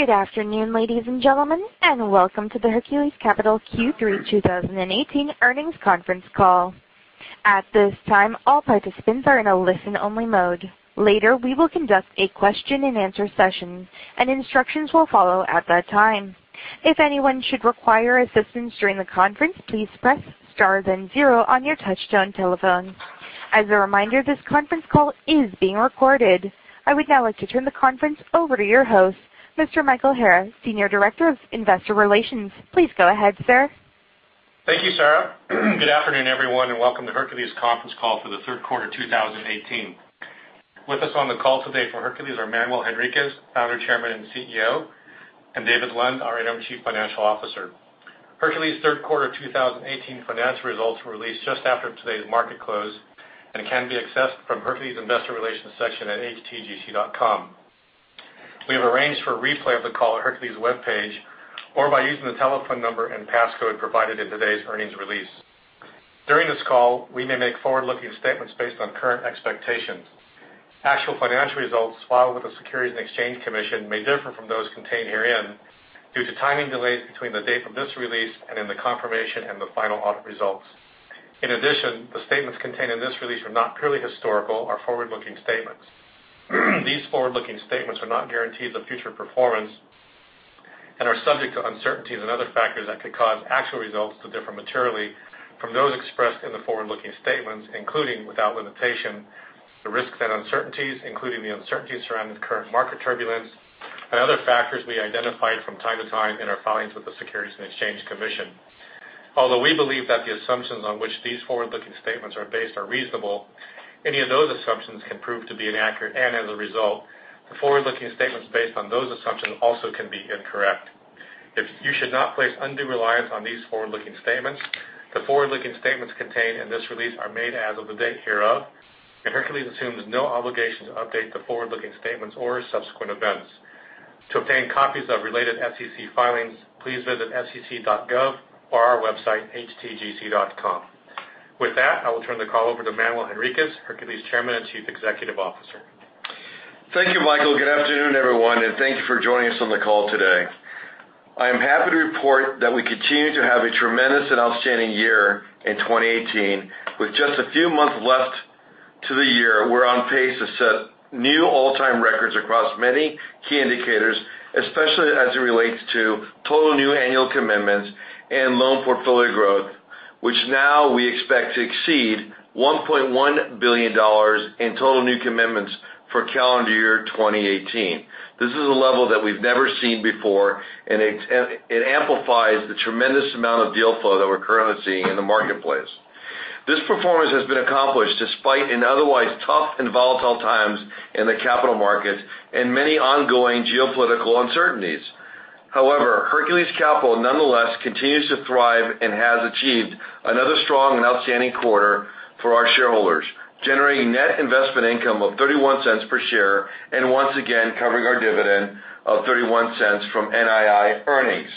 Good afternoon, ladies and gentlemen, welcome to the Hercules Capital Q3 2018 earnings conference call. At this time, all participants are in a listen-only mode. Later, we will conduct a question and answer session, and instructions will follow at that time. If anyone should require assistance during the conference, please press star then zero on your touchtone telephone. As a reminder, this conference call is being recorded. I would now like to turn the conference over to your host, Mr. Michael Hara, Senior Director of Investor Relations. Please go ahead, sir. Thank you, Sarah. Good afternoon, everyone, welcome to Hercules conference call for the third quarter 2018. With us on the call today from Hercules are Manuel Henriquez, Founder, Chairman and CEO, and David Lund, our Interim Chief Financial Officer. Hercules' third quarter 2018 financial results were released just after today's market close and can be accessed from Hercules' investor relations section at htgc.com. We have arranged for a replay of the call at Hercules' webpage or by using the telephone number and passcode provided in today's earnings release. During this call, we may make forward-looking statements based on current expectations. Actual financial results filed with the Securities and Exchange Commission may differ from those contained herein due to timing delays between the date of this release the confirmation and the final audit results. In addition, the statements contained in this release which are not purely historical are forward-looking statements. These forward-looking statements are not guarantees of future performance and are subject to uncertainties and other factors that could cause actual results to differ materially from those expressed in the forward-looking statements, including, without limitation, the risks and uncertainties, including the uncertainties surrounding the current market turbulence and other factors we identified from time to time in our filings with the Securities and Exchange Commission. Although we believe that the assumptions on which these forward-looking statements are based are reasonable, any of those assumptions can prove to be inaccurate, as a result, the forward-looking statements based on those assumptions also can be incorrect. You should not place undue reliance on these forward-looking statements. The forward-looking statements contained in this release are made as of the date hereof, Hercules assumes no obligation to update the forward-looking statements or subsequent events. To obtain copies of related SEC filings, please visit sec.gov or our website, htgc.com. With that, I will turn the call over to Manuel Henriquez, Hercules Chairman and Chief Executive Officer. Thank you, Michael. Good afternoon, everyone, and thank you for joining us on the call today. I am happy to report that we continue to have a tremendous and outstanding year in 2018. With just a few months left to the year, we're on pace to set new all-time records across many key indicators, especially as it relates to total new annual commitments and loan portfolio growth, which now we expect to exceed $1.1 billion in total new commitments for calendar year 2018. This is a level that we've never seen before, and it amplifies the tremendous amount of deal flow that we're currently seeing in the marketplace. This performance has been accomplished despite in otherwise tough and volatile times in the capital markets and many ongoing geopolitical uncertainties. Hercules Capital nonetheless continues to thrive and has achieved another strong and outstanding quarter for our shareholders, generating net investment income of $0.31 per share and once again covering our dividend of $0.31 from NII earnings.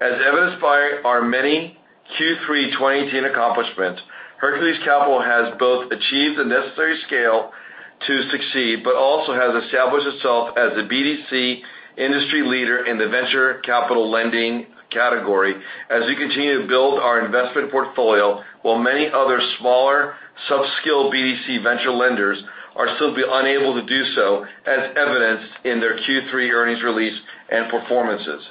As evidenced by our many Q3 2018 accomplishments, Hercules Capital has both achieved the necessary scale to succeed, but also has established itself as a BDC industry leader in the venture capital lending category as we continue to build our investment portfolio while many other smaller, sub-scale BDC venture lenders are still unable to do so, as evidenced in their Q3 earnings release and performances.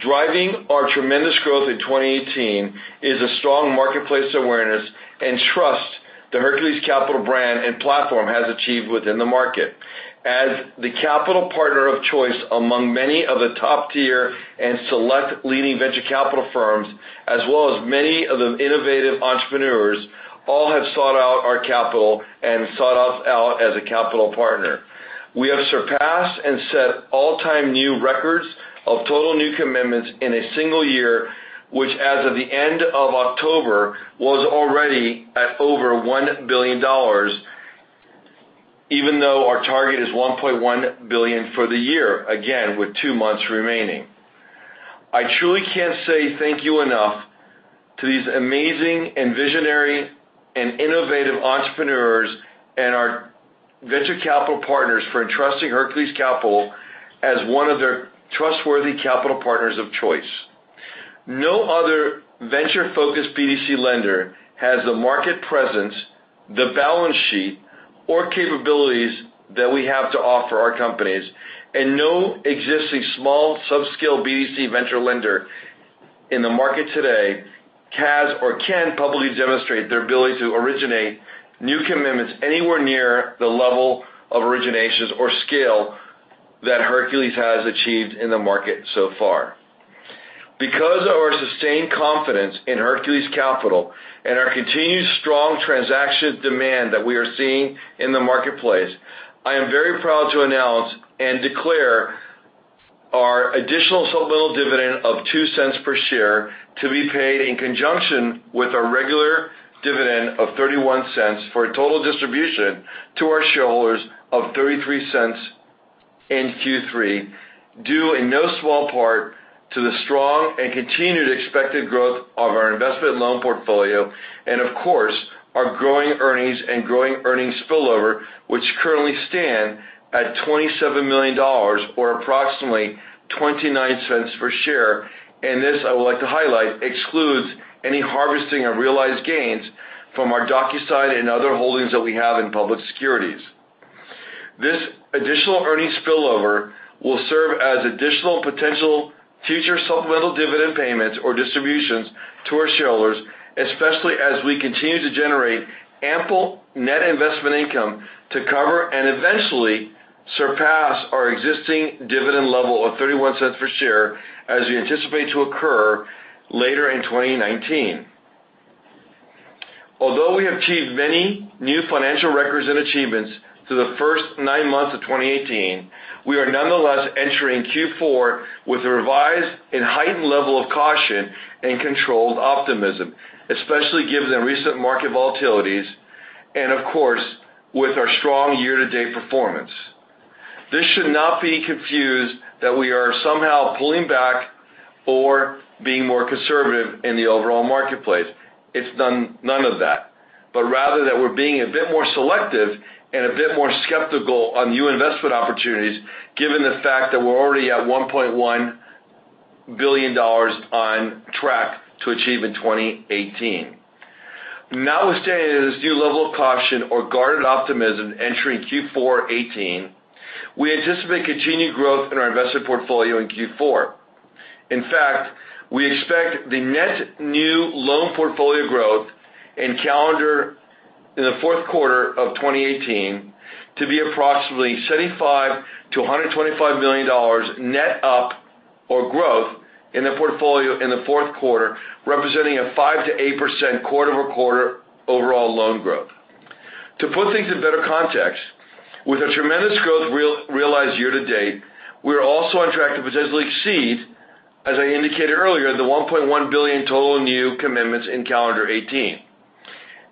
Driving our tremendous growth in 2018 is a strong marketplace awareness and trust the Hercules Capital brand and platform has achieved within the market. As the capital partner of choice among many of the top-tier and select leading venture capital firms, as well as many of the innovative entrepreneurs, all have sought out our capital and sought us out as a capital partner. We have surpassed and set all-time new records of total new commitments in a single year, which as of the end of October, was already at over $1 billion, even though our target is $1.1 billion for the year, again, with two months remaining. I truly can't say thank you enough to these amazing and visionary and innovative entrepreneurs and our venture capital partners for entrusting Hercules Capital as one of their trustworthy capital partners of choice. No other venture-focused BDC lender has the market presence, the balance sheet, or capabilities that we have to offer our companies, no existing small, sub-scale BDC venture lender in the market today has or can publicly demonstrate their ability to originate new commitments anywhere near the level of originations or scale that Hercules has achieved in the market so far. Because of our sustained confidence in Hercules Capital and our continued strong transaction demand that we are seeing in the marketplace, I am very proud to announce and declare our additional sub-level dividend of $0.02 per share to be paid in conjunction with our regular dividend of $0.31 for a total distribution to our shareholders of $0.33 in Q3. Due in no small part to the strong and continued expected growth of our investment loan portfolio and of course, our growing earnings and growing earnings spillover, which currently stand at $27 million or approximately $0.29 per share. This, I would like to highlight, excludes any harvesting of realized gains from our DocuSign and other holdings that we have in public securities. This additional earnings spillover will serve as additional potential future supplemental dividend payments or distributions to our shareholders, especially as we continue to generate ample net investment income to cover and eventually surpass our existing dividend level of $0.31 per share, as we anticipate to occur later in 2019. Although we achieved many new financial records and achievements through the first nine months of 2018, we are nonetheless entering Q4 with a revised and heightened level of caution and controlled optimism, especially given the recent market volatilities and of course, with our strong year-to-date performance. This should not be confused that we are somehow pulling back or being more conservative in the overall marketplace. It's none of that. Rather that we're being a bit more selective and a bit more skeptical on new investment opportunities, given the fact that we're already at $1.1 billion on track to achieve in 2018. Notwithstanding this new level of caution or guarded optimism entering Q4 2018, we anticipate continued growth in our investment portfolio in Q4. In fact, we expect the net new loan portfolio growth in the fourth quarter of 2018 to be approximately $75 million-$125 million net up or growth in the portfolio in the fourth quarter, representing a 5%-8% quarter-over-quarter overall loan growth. To put things in better context, with the tremendous growth realized year-to-date, we are also on track to potentially exceed, as I indicated earlier, the $1.1 billion total new commitments in calendar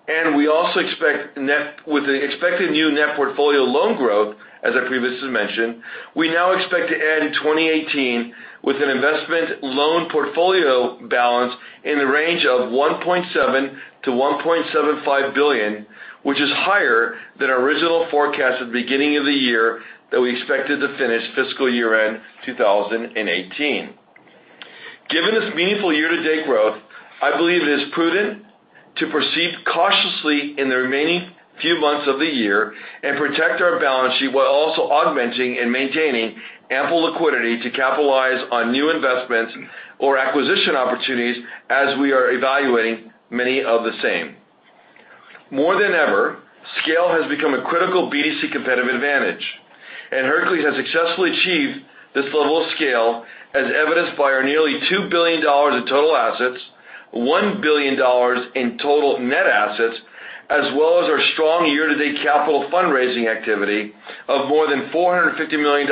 2018. With the expected new net portfolio loan growth, as I previously mentioned, we now expect to end 2018 with an investment loan portfolio balance in the range of $1.7 billion-$1.75 billion, which is higher than our original forecast at the beginning of the year that we expected to finish fiscal year-end 2018. Given this meaningful year-to-date growth, I believe it is prudent to proceed cautiously in the remaining few months of the year and protect our balance sheet while also augmenting and maintaining ample liquidity to capitalize on new investments or acquisition opportunities as we are evaluating many of the same. More than ever, scale has become a critical BDC competitive advantage. Hercules has successfully achieved this level of scale as evidenced by our nearly $2 billion in total assets, $1 billion in total net assets, as well as our strong year-to-date capital fundraising activity of more than $450 million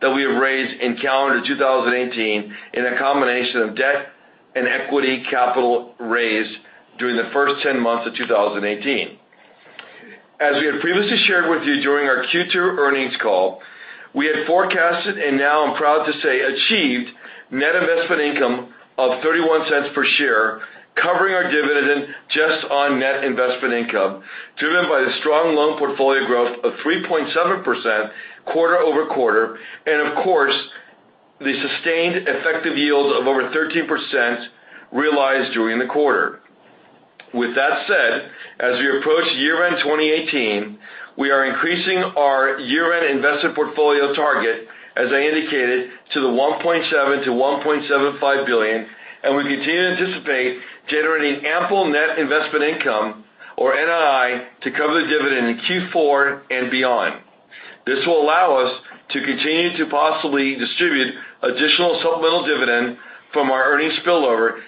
that we have raised in calendar 2018 in a combination of debt and equity capital raised during the first 10 months of 2018. As we have previously shared with you during our Q2 earnings call, we had forecasted, and now I'm proud to say, achieved net investment income of $0.31 per share, covering our dividend just on net investment income, driven by the strong loan portfolio growth of 3.7% quarter-over-quarter and of course, the sustained effective yield of over 13% realized during the quarter. With that said, as we approach year-end 2018, we are increasing our year-end investment portfolio target, as I indicated, to the $1.7 billion-$1.75 billion. We continue to anticipate generating ample net investment income or NII to cover the dividend in Q4 and beyond. This will allow us to continue to possibly distribute additional supplemental dividend from our earnings spillover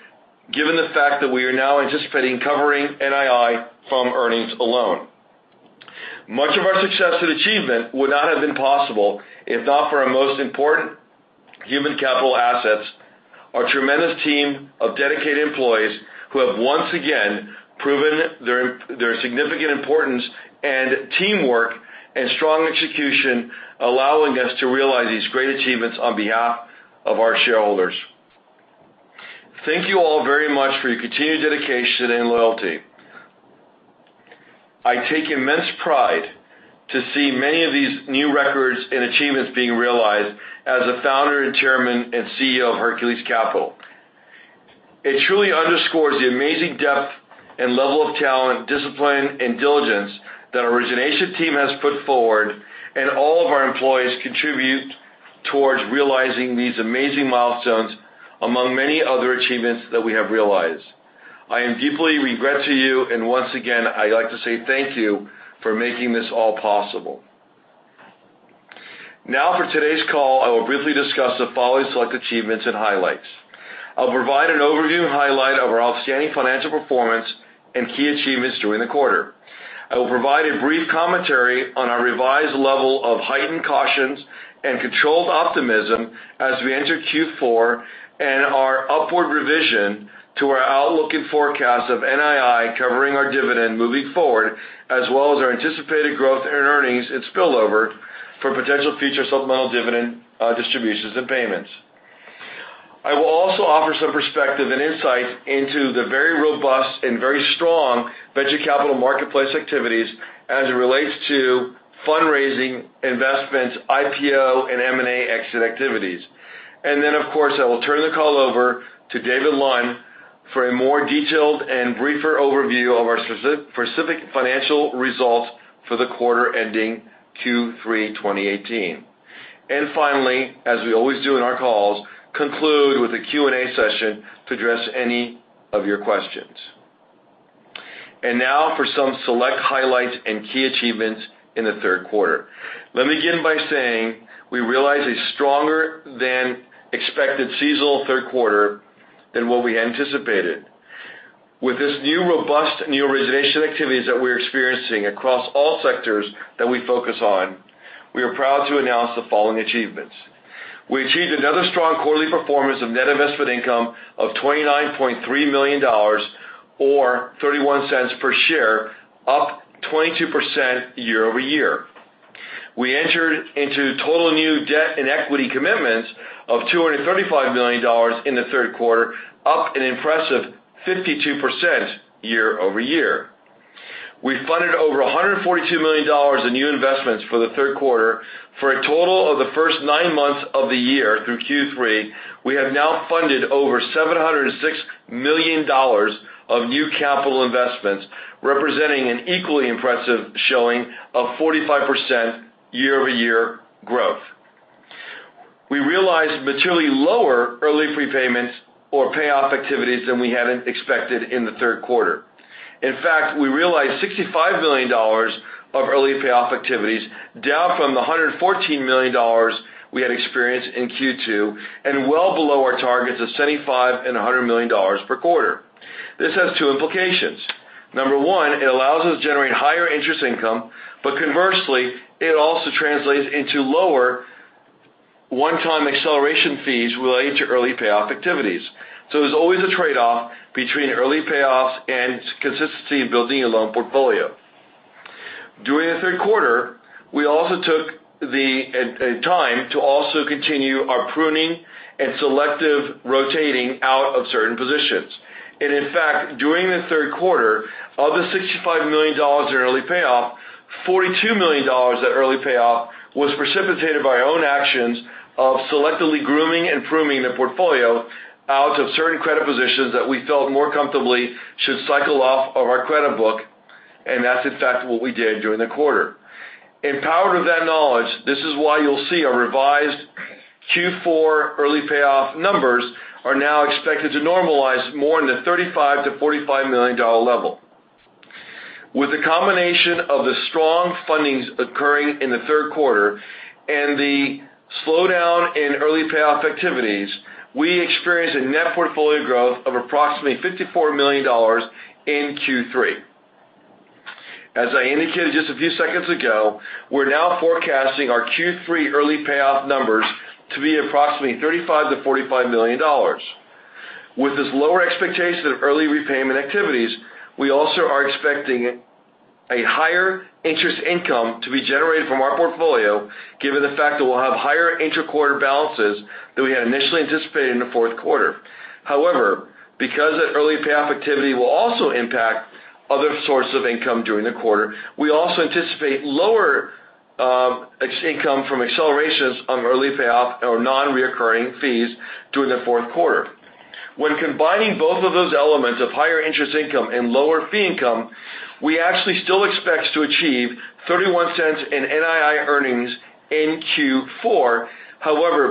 given the fact that we are now anticipating covering NII from earnings alone. Much of our success and achievement would not have been possible if not for our most important human capital assets, our tremendous team of dedicated employees who have once again proven their significant importance and teamwork and strong execution, allowing us to realize these great achievements on behalf of our shareholders. Thank you all very much for your continued dedication and loyalty. I take immense pride to see many of these new records and achievements being realized as a founder and Chairman and CEO of Hercules Capital. It truly underscores the amazing depth and level of talent, discipline, and diligence that our origination team has put forward. All of our employees contribute towards realizing these amazing milestones among many other achievements that we have realized. I am deeply in regret to you. Once again, I'd like to say thank you for making this all possible. Now for today's call, I will briefly discuss the following select achievements and highlights. I'll provide an overview and highlight of our outstanding financial performance and key achievements during the quarter. I will provide a brief commentary on our revised level of heightened cautions and controlled optimism as we enter Q4 and our upward revision to our outlook and forecast of NII covering our dividend moving forward, as well as our anticipated growth and earnings and spillover for potential future supplemental dividend distributions and payments. I will also offer some perspective and insight into the very robust and very strong venture capital marketplace activities as it relates to fundraising, investments, IPO, and M&A exit activities. Of course, I will turn the call over to David Lund for a more detailed and briefer overview of our specific financial results for the quarter ending Q3 2018. Finally, as we always do in our calls, conclude with a Q&A session to address any of your questions. Now for some select highlights and key achievements in the third quarter. Let me begin by saying, we realized a stronger than expected seasonal third quarter than what we anticipated. With this robust new origination activities that we're experiencing across all sectors that we focus on, we are proud to announce the following achievements. We achieved another strong quarterly performance of net investment income of $29.3 million, or $0.31 per share, up 22% year-over-year. We entered into total new debt and equity commitments of $235 million in the third quarter, up an impressive 52% year-over-year. We funded over $142 million in new investments for the third quarter. For a total of the first nine months of the year through Q3, we have now funded over $706 million of new capital investments, representing an equally impressive showing of 45% year-over-year growth. We realized materially lower early prepayments or payoff activities than we had expected in the third quarter. In fact, we realized $65 million of early payoff activities, down from the $114 million we had experienced in Q2 and well below our targets of $75 million and $100 million per quarter. This has two implications. Number one, it allows us to generate higher interest income. Conversely, it also translates into lower one-time acceleration fees related to early payoff activities. There's always a trade-off between early payoffs and consistency in building a loan portfolio. During the third quarter, we also took the time to continue our pruning and selective rotating out of certain positions. In fact, during the third quarter, of the $65 million in early payoff, $42 million of that early payoff was precipitated by our own actions of selectively grooming and pruning the portfolio out of certain credit positions that we felt more comfortably should cycle off of our credit book and that's in fact what we did during the quarter. Empowered with that knowledge, this is why you'll see our revised Q4 early payoff numbers are now expected to normalize more in the $35 million-$45 million level. With the combination of the strong fundings occurring in the third quarter and the slowdown in early payoff activities, we experienced a net portfolio growth of approximately $54 million in Q3. As I indicated just a few seconds ago, we're now forecasting our Q3 early payoff numbers to be approximately $35 million-$45 million. With this lower expectation of early repayment activities, we also are expecting a higher interest income to be generated from our portfolio given the fact that we'll have higher intra-quarter balances than we had initially anticipated in the fourth quarter. Because that early payoff activity will also impact other sources of income during the quarter, we also anticipate lower income from accelerations on early payoff or non-reoccurring fees during the fourth quarter. When combining both of those elements of higher interest income and lower fee income, we actually still expect to achieve $0.31 in NII earnings in Q4.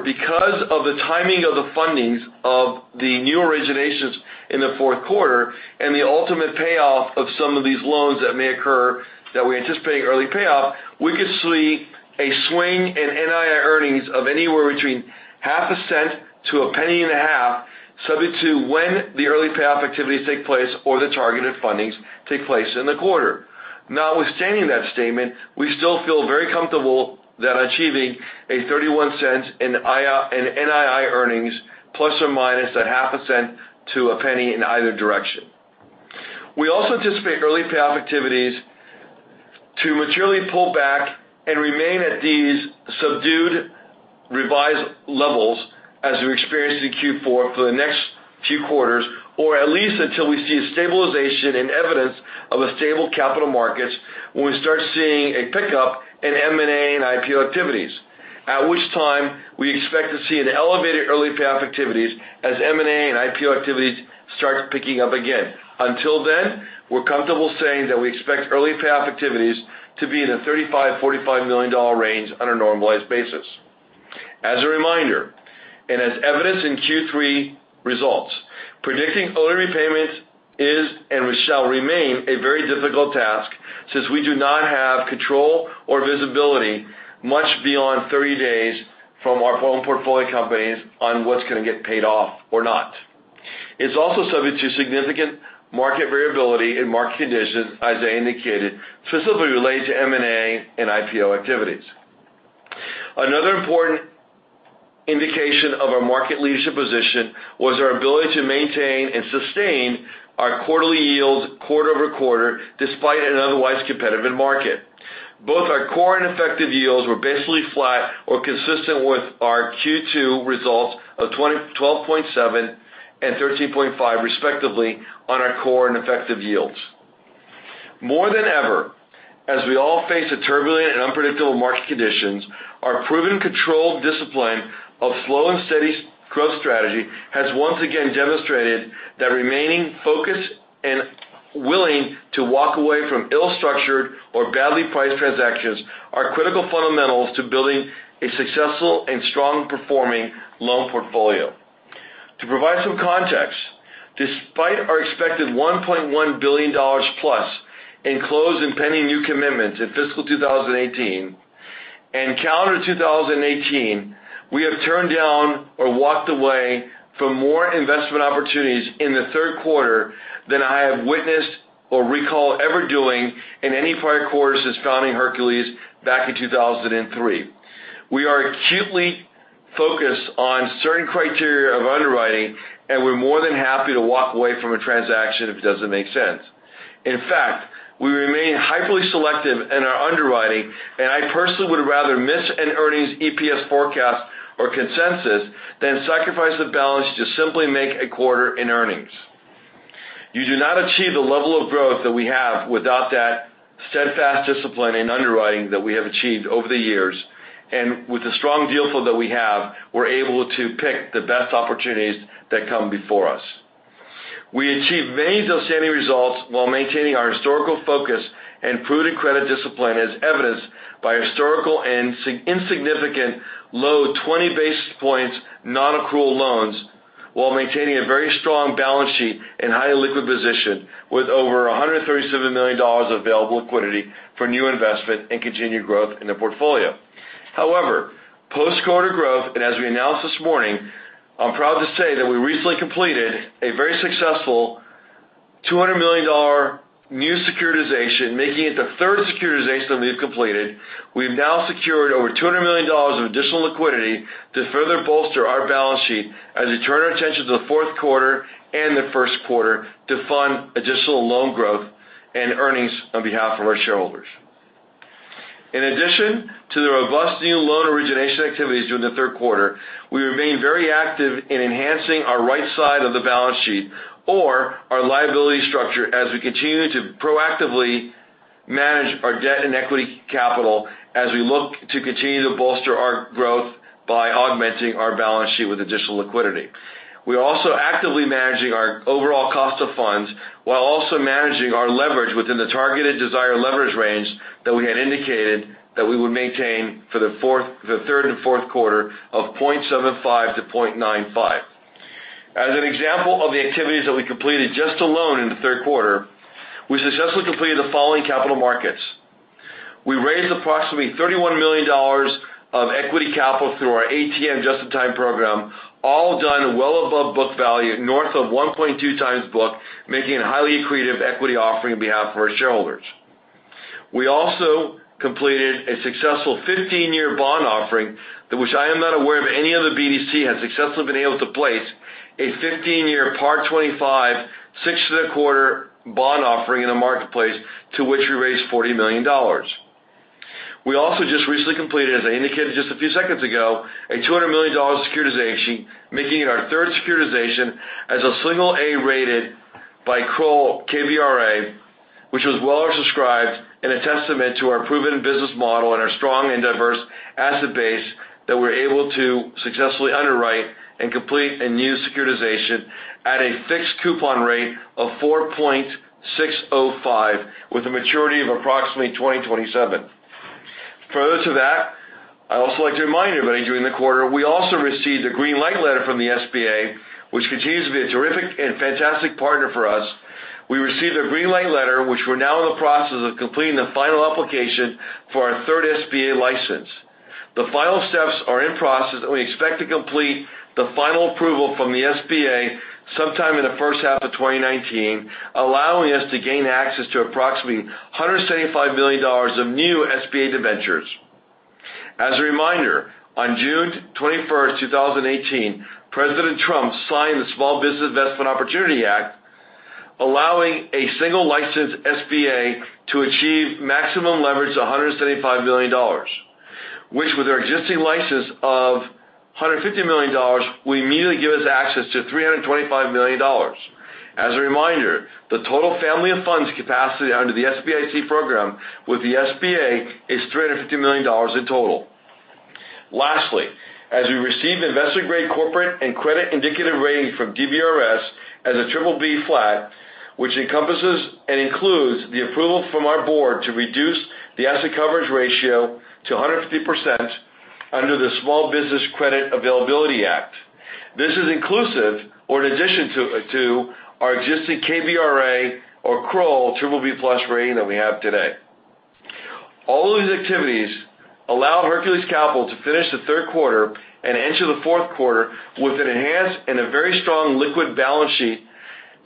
Because of the timing of the fundings of the new originations in the fourth quarter and the ultimate payoff of some of these loans that may occur that we anticipate early payoff, we could see a swing in NII earnings of anywhere between $0.005 to $0.015, subject to when the early payoff activities take place or the targeted fundings take place in the quarter. Notwithstanding that statement, we still feel very comfortable that achieving a $0.31 in NII earnings ±$0.005 to $0.01 in either direction. We also anticipate early payoff activities to materially pull back and remain at these subdued revised levels as we experienced in Q4 for the next few quarters, or at least until we see a stabilization and evidence of a stable capital markets when we start seeing a pickup in M&A and IPO activities. At which time, we expect to see an elevated early payoff activities as M&A and IPO activities start picking up again. Until then, we're comfortable saying that we expect early payoff activities to be in the $35 million-$45 million range on a normalized basis. As a reminder, and as evidenced in Q3 results, predicting early repayments is and shall remain a very difficult task since we do not have control or visibility much beyond 30 days from our home portfolio companies on what's going to get paid off or not. It's also subject to significant market variability and market conditions, as I indicated, specifically related to M&A and IPO activities. Another important indication of our market leadership position was our ability to maintain and sustain our quarterly yield quarter-over-quarter despite an otherwise competitive market. Both our core and effective yields were basically flat or consistent with our Q2 results of 12.7% and 13.5% respectively on our core and effective yields. More than ever, as we all face the turbulent and unpredictable market conditions, our proven controlled discipline of slow and steady growth strategy has once again demonstrated that remaining focused and willing to walk away from ill-structured or badly priced transactions are critical fundamentals to building a successful and strong performing loan portfolio. To provide some context, despite our expected $1.1 billion+ in closed and pending new commitments in fiscal 2018 and calendar 2018, we have turned down or walked away from more investment opportunities in the third quarter than I have witnessed or recall ever doing in any prior quarter since founding Hercules back in 2003. We are acutely focused on certain criteria of underwriting, and we're more than happy to walk away from a transaction if it doesn't make sense. In fact, we remain hyperly selective in our underwriting, and I personally would rather miss an earnings EPS forecast or consensus than sacrifice the balance to simply make a quarter in earnings. You do not achieve the level of growth that we have without that steadfast discipline in underwriting that we have achieved over the years. With the strong deal flow that we have, we're able to pick the best opportunities that come before us. We achieved many outstanding results while maintaining our historical focus and prudent credit discipline, as evidenced by historical and insignificant low 20 basis points non-accrual loans while maintaining a very strong balance sheet and highly liquid position with over $137 million of available liquidity for new investment and continued growth in the portfolio. However, post-quarter growth, as we announced this morning, I'm proud to say that we recently completed a very successful $200 million new securitization, making it the third securitization that we've completed. We've now secured over $200 million of additional liquidity to further bolster our balance sheet as we turn our attention to the fourth quarter and the first quarter to fund additional loan growth and earnings on behalf of our shareholders. In addition to the robust new loan origination activities during the third quarter, we remain very active in enhancing our right side of the balance sheet or our liability structure as we continue to proactively manage our debt and equity capital as we look to continue to bolster our growth by augmenting our balance sheet with additional liquidity. We're also actively managing our overall cost of funds while also managing our leverage within the targeted desired leverage range that we had indicated that we would maintain for the third and fourth quarter of 0.75-0.95. As an example of the activities that we completed just alone in the third quarter, we successfully completed the following capital markets. We raised approximately $31 million of equity capital through our ATM Just-In-Time program, all done well above book value, north of 1.2x book, making it a highly accretive equity offering on behalf of our shareholders. We also completed a successful 15-year bond offering that which I am not aware of any other BDC has successfully been able to place a 15-year Par-25 6.25% bond offering in the marketplace to which we raised $40 million. We also just recently completed, as I indicated just a few seconds ago, a $200 million securitization, making it our third securitization as a single A-rated by Kroll KBRA, which was well oversubscribed and a testament to our proven business model and our strong and diverse asset base that we're able to successfully underwrite and complete a new securitization at a fixed coupon rate of 4.605% with a maturity of approximately 2027. Further to that, I'd also like to remind everybody during the quarter, we also received a green light letter from the SBA, which continues to be a terrific and fantastic partner for us. We received a green light letter, which we're now in the process of completing the final application for our third SBA license. The final steps are in process, and we expect to complete the final approval from the SBA sometime in the first half of 2019, allowing us to gain access to approximately $175 million of new SBA debentures. As a reminder, on June 21st, 2018, President Trump signed the Small Business Credit Availability Act, allowing a single license SBA to achieve maximum leverage of $175 million, which with our existing license of $150 million, will immediately give us access to $325 million. As a reminder, the total family of funds capacity under the SBIC program with the SBA is $350 million in total. Lastly, as we received investor-grade corporate and credit indicative rating from DBRS as a BBB flat, which encompasses and includes the approval from our board to reduce the asset coverage ratio to 150% under the Small Business Credit Availability Act. This is inclusive or in addition to our existing KBRA or Kroll BBB plus rating that we have today. All of these activities allow Hercules Capital to finish the third quarter and enter the fourth quarter with an enhanced and a very strong liquid balance sheet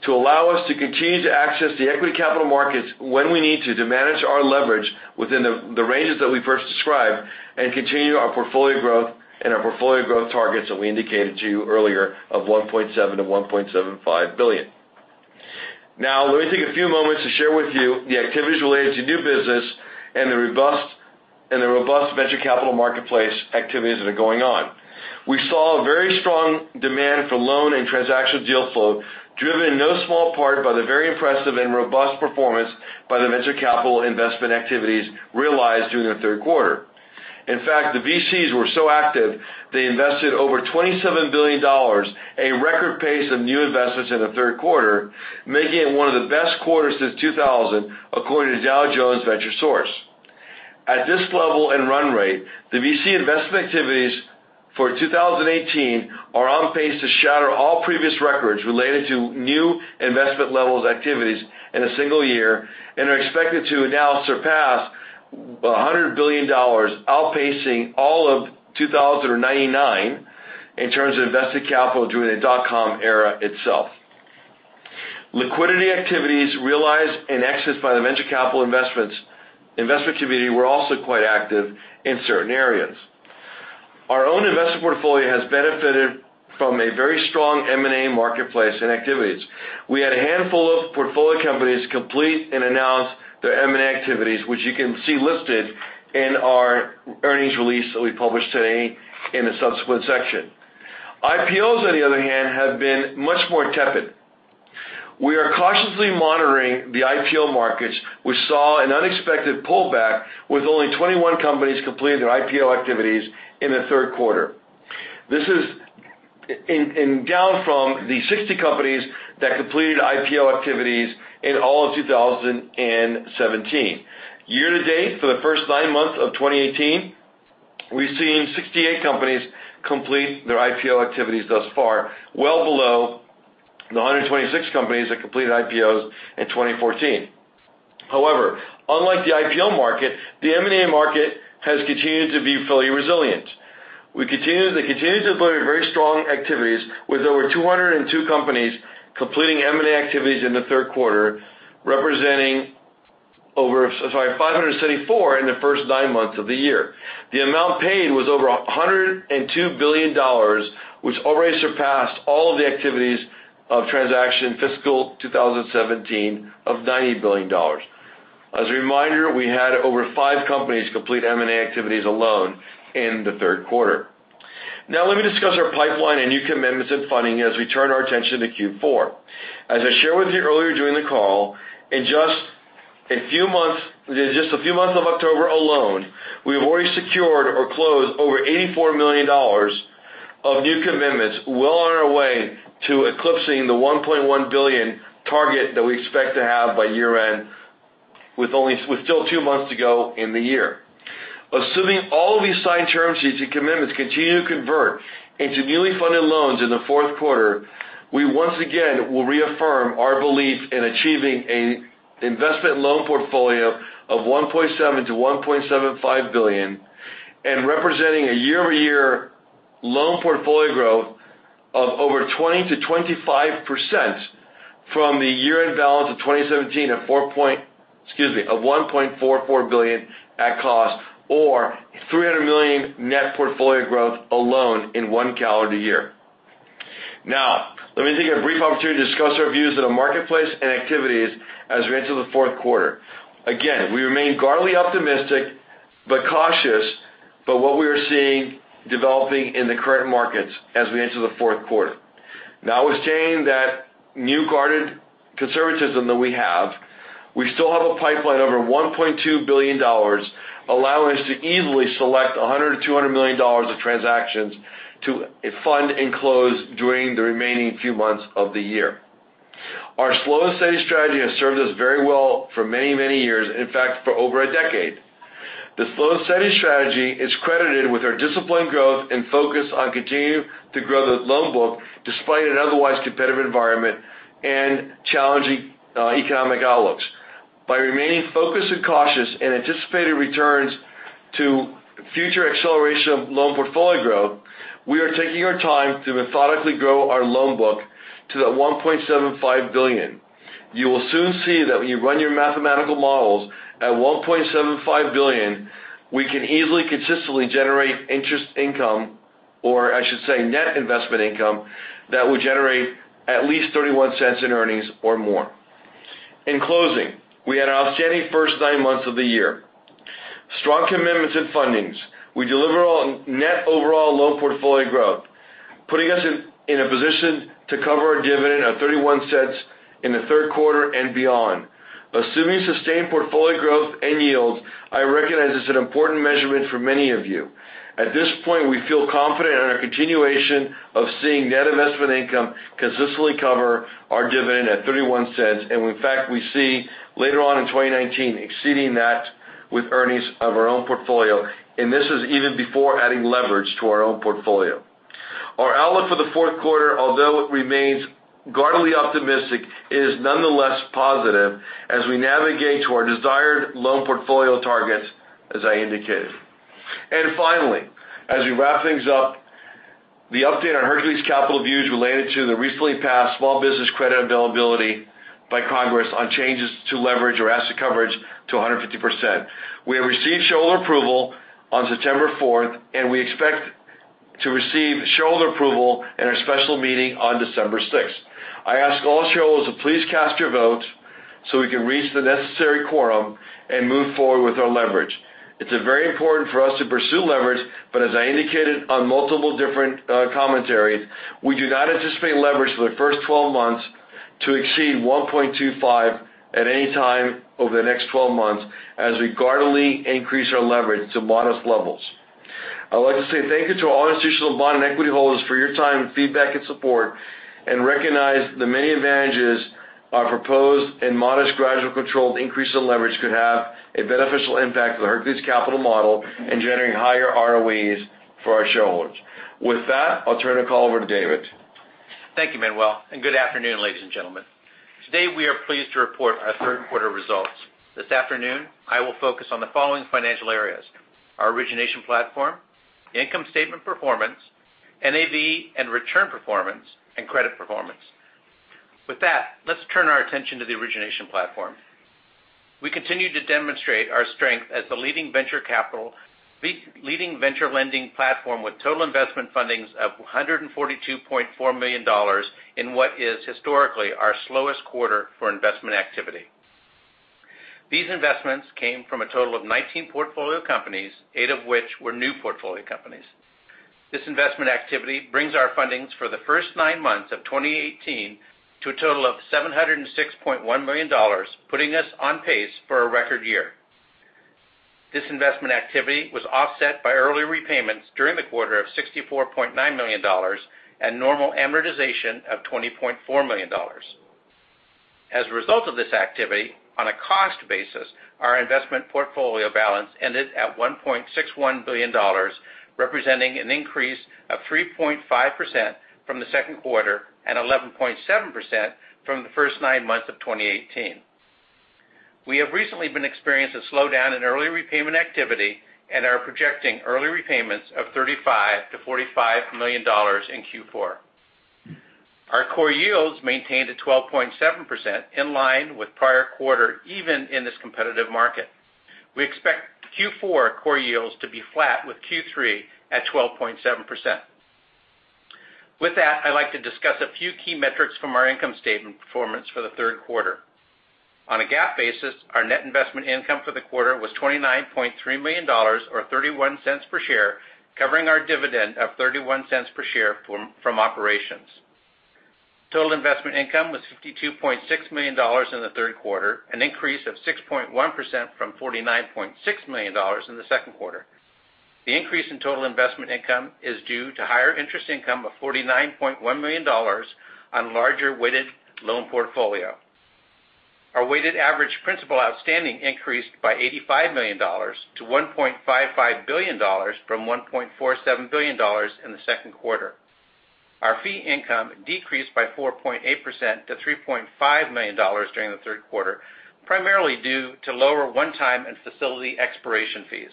to allow us to continue to access the equity capital markets when we need to manage our leverage within the ranges that we first described and continue our portfolio growth and our portfolio growth targets that we indicated to you earlier of $1.7 billion-$1.75 billion. Let me take a few moments to share with you the activities related to new business and the robust venture capital marketplace activities that are going on. We saw a very strong demand for loan and transaction deal flow, driven in no small part by the very impressive and robust performance by the venture capital investment activities realized during the third quarter. In fact, the VCs were so active, they invested over $27 billion, a record pace of new investments in the third quarter, making it one of the best quarters since 2000, according to Dow Jones VentureSource. At this level and run rate, the VC investment activities for 2018 are on pace to shatter all previous records related to new investment levels activities in a single year, and are expected to now surpass $100 billion, outpacing all of 2000 or 1999 in terms of invested capital during the dot-com era itself. Liquidity activities realized and accessed by the venture capital investments community were also quite active in certain areas. Our own investment portfolio has benefited from a very strong M&A marketplace and activities. We had a handful of portfolio companies complete and announce their M&A activities, which you can see listed in our earnings release that we published today in the subsequent section. IPOs, on the other hand, have been much more tepid. We are cautiously monitoring the IPO markets. We saw an unexpected pullback, with only 21 companies completing their IPO activities in the third quarter. This is down from the 60 companies that completed IPO activities in all of 2017. Year-to-date, for the first nine months of 2018, we've seen 68 companies complete their IPO activities thus far, well below the 126 companies that completed IPOs in 2014. Unlike the IPO market, the M&A market has continued to be fairly resilient. They continue to employ very strong activities, with over 202 companies completing M&A activities in the third quarter, representing over 574 in the first nine months of the year. The amount paid was over $102 billion, which already surpassed all of the activities of transaction fiscal 2017 of $90 billion. As a reminder, we had over five companies complete M&A activities alone in the third quarter. Now let me discuss our pipeline and new commitments in funding as we turn our attention to Q4. As I shared with you earlier during the call, in just a few months of October alone, we have already secured or closed over $84 million of new commitments, well on our way to eclipsing the $1.1 billion target that we expect to have by year-end, with still two months to go in the year. Assuming all of these signed term sheets and commitments continue to convert into newly funded loans in the fourth quarter, we once again will reaffirm our belief in achieving an investment loan portfolio of $1.7 billion-$1.75 billion and representing a year-over-year loan portfolio growth of over 20%-25% from the year-end balance of 2017 of, excuse me, of $1.44 billion at cost, or $300 million net portfolio growth alone in one calendar year. Now, let me take a brief opportunity to discuss our views of the marketplace and activities as we enter the fourth quarter. Again, we remain guardedly optimistic but cautious about what we are seeing developing in the current markets as we enter the fourth quarter. With saying that new guarded conservatism that we have, we still have a pipeline over $1.2 billion, allowing us to easily select $100 million-$200 million of transactions to fund and close during the remaining few months of the year. Our slow and steady strategy has served us very well for many, many years. In fact, for over a decade. The slow and steady strategy is credited with our disciplined growth and focus on continuing to grow the loan book despite an otherwise competitive environment and challenging economic outlooks. By remaining focused and cautious in anticipated returns to future acceleration of loan portfolio growth, we are taking our time to methodically grow our loan book to that $1.75 billion. You will soon see that when you run your mathematical models at $1.75 billion, we can easily, consistently generate interest income, or I should say, net investment income that would generate at least $0.31 in earnings or more. In closing, we had an outstanding first nine months of the year. Strong commitments in fundings. We deliver net overall loan portfolio growth, putting us in a position to cover our dividend of $0.31 in the third quarter and beyond. Assuming sustained portfolio growth and yields, I recognize it's an important measurement for many of you. At this point, we feel confident on our continuation of seeing net investment income consistently cover our dividend at $0.31. In fact, we see later on in 2019 exceeding that with earnings of our own portfolio, and this is even before adding leverage to our own portfolio. Finally, as we wrap things up, the update on Hercules Capital views related to the recently passed Small Business Credit Availability Act by Congress on changes to leverage or asset coverage to 150%. We have received shareholder approval on September 4th, and we expect to receive shareholder approval in our special meeting on December 6th. I ask all shareholders to please cast your vote so we can reach the necessary quorum and move forward with our leverage. It is very important for us to pursue leverage, but as I indicated on multiple different commentaries, we do not anticipate leverage for the first 12 months to exceed 1.25 at any time over the next 12 months as we guardedly increase our leverage to modest levels. I'd like to say thank you to all institutional bond and equity holders for your time, feedback, and support, and recognize the many advantages our proposed and modest gradual controlled increase in leverage could have a beneficial impact to the Hercules Capital model in generating higher ROEs for our shareholders. With that, I'll turn the call over to David. Thank you, Manuel, and good afternoon, ladies and gentlemen. Today, we are pleased to report our third quarter results. This afternoon, I will focus on the following financial areas: Our origination platform, income statement performance, NAV and return performance, and credit performance. With that, let's turn our attention to the origination platform. We continue to demonstrate our strength as the leading venture lending platform with total investment fundings of $142.4 million in what is historically our slowest quarter for investment activity. These investments came from a total of 19 portfolio companies, eight of which were new portfolio companies. This investment activity brings our fundings for the first nine months of 2018 to a total of $706.1 million, putting us on pace for a record year. This investment activity was offset by early repayments during the quarter of $64.9 million and normal amortization of $20.4 million. As a result of this activity, on a cost basis, our investment portfolio balance ended at $1.61 billion, representing an increase of 3.5% from the second quarter and 11.7% from the first nine months of 2018. We have recently been experiencing a slowdown in early repayment activity and are projecting early repayments of $35 million-$45 million in Q4. Our core yields maintained at 12.7%, in line with prior quarter, even in this competitive market. We expect Q4 core yields to be flat with Q3 at 12.7%. With that, I'd like to discuss a few key metrics from our income statement performance for the third quarter. On a GAAP basis, our net investment income for the quarter was $29.3 million, or $0.31 per share, covering our dividend of $0.31 per share from operations. Total investment income was $52.6 million in the third quarter, an increase of 6.1% from $49.6 million in the second quarter. The increase in total investment income is due to higher interest income of $49.1 million on larger weighted loan portfolio. Our weighted average principal outstanding increased by $85 million to $1.55 billion from $1.47 billion in the second quarter. Our fee income decreased by 4.8% to $3.5 million during the third quarter, primarily due to lower one-time and facility expiration fees.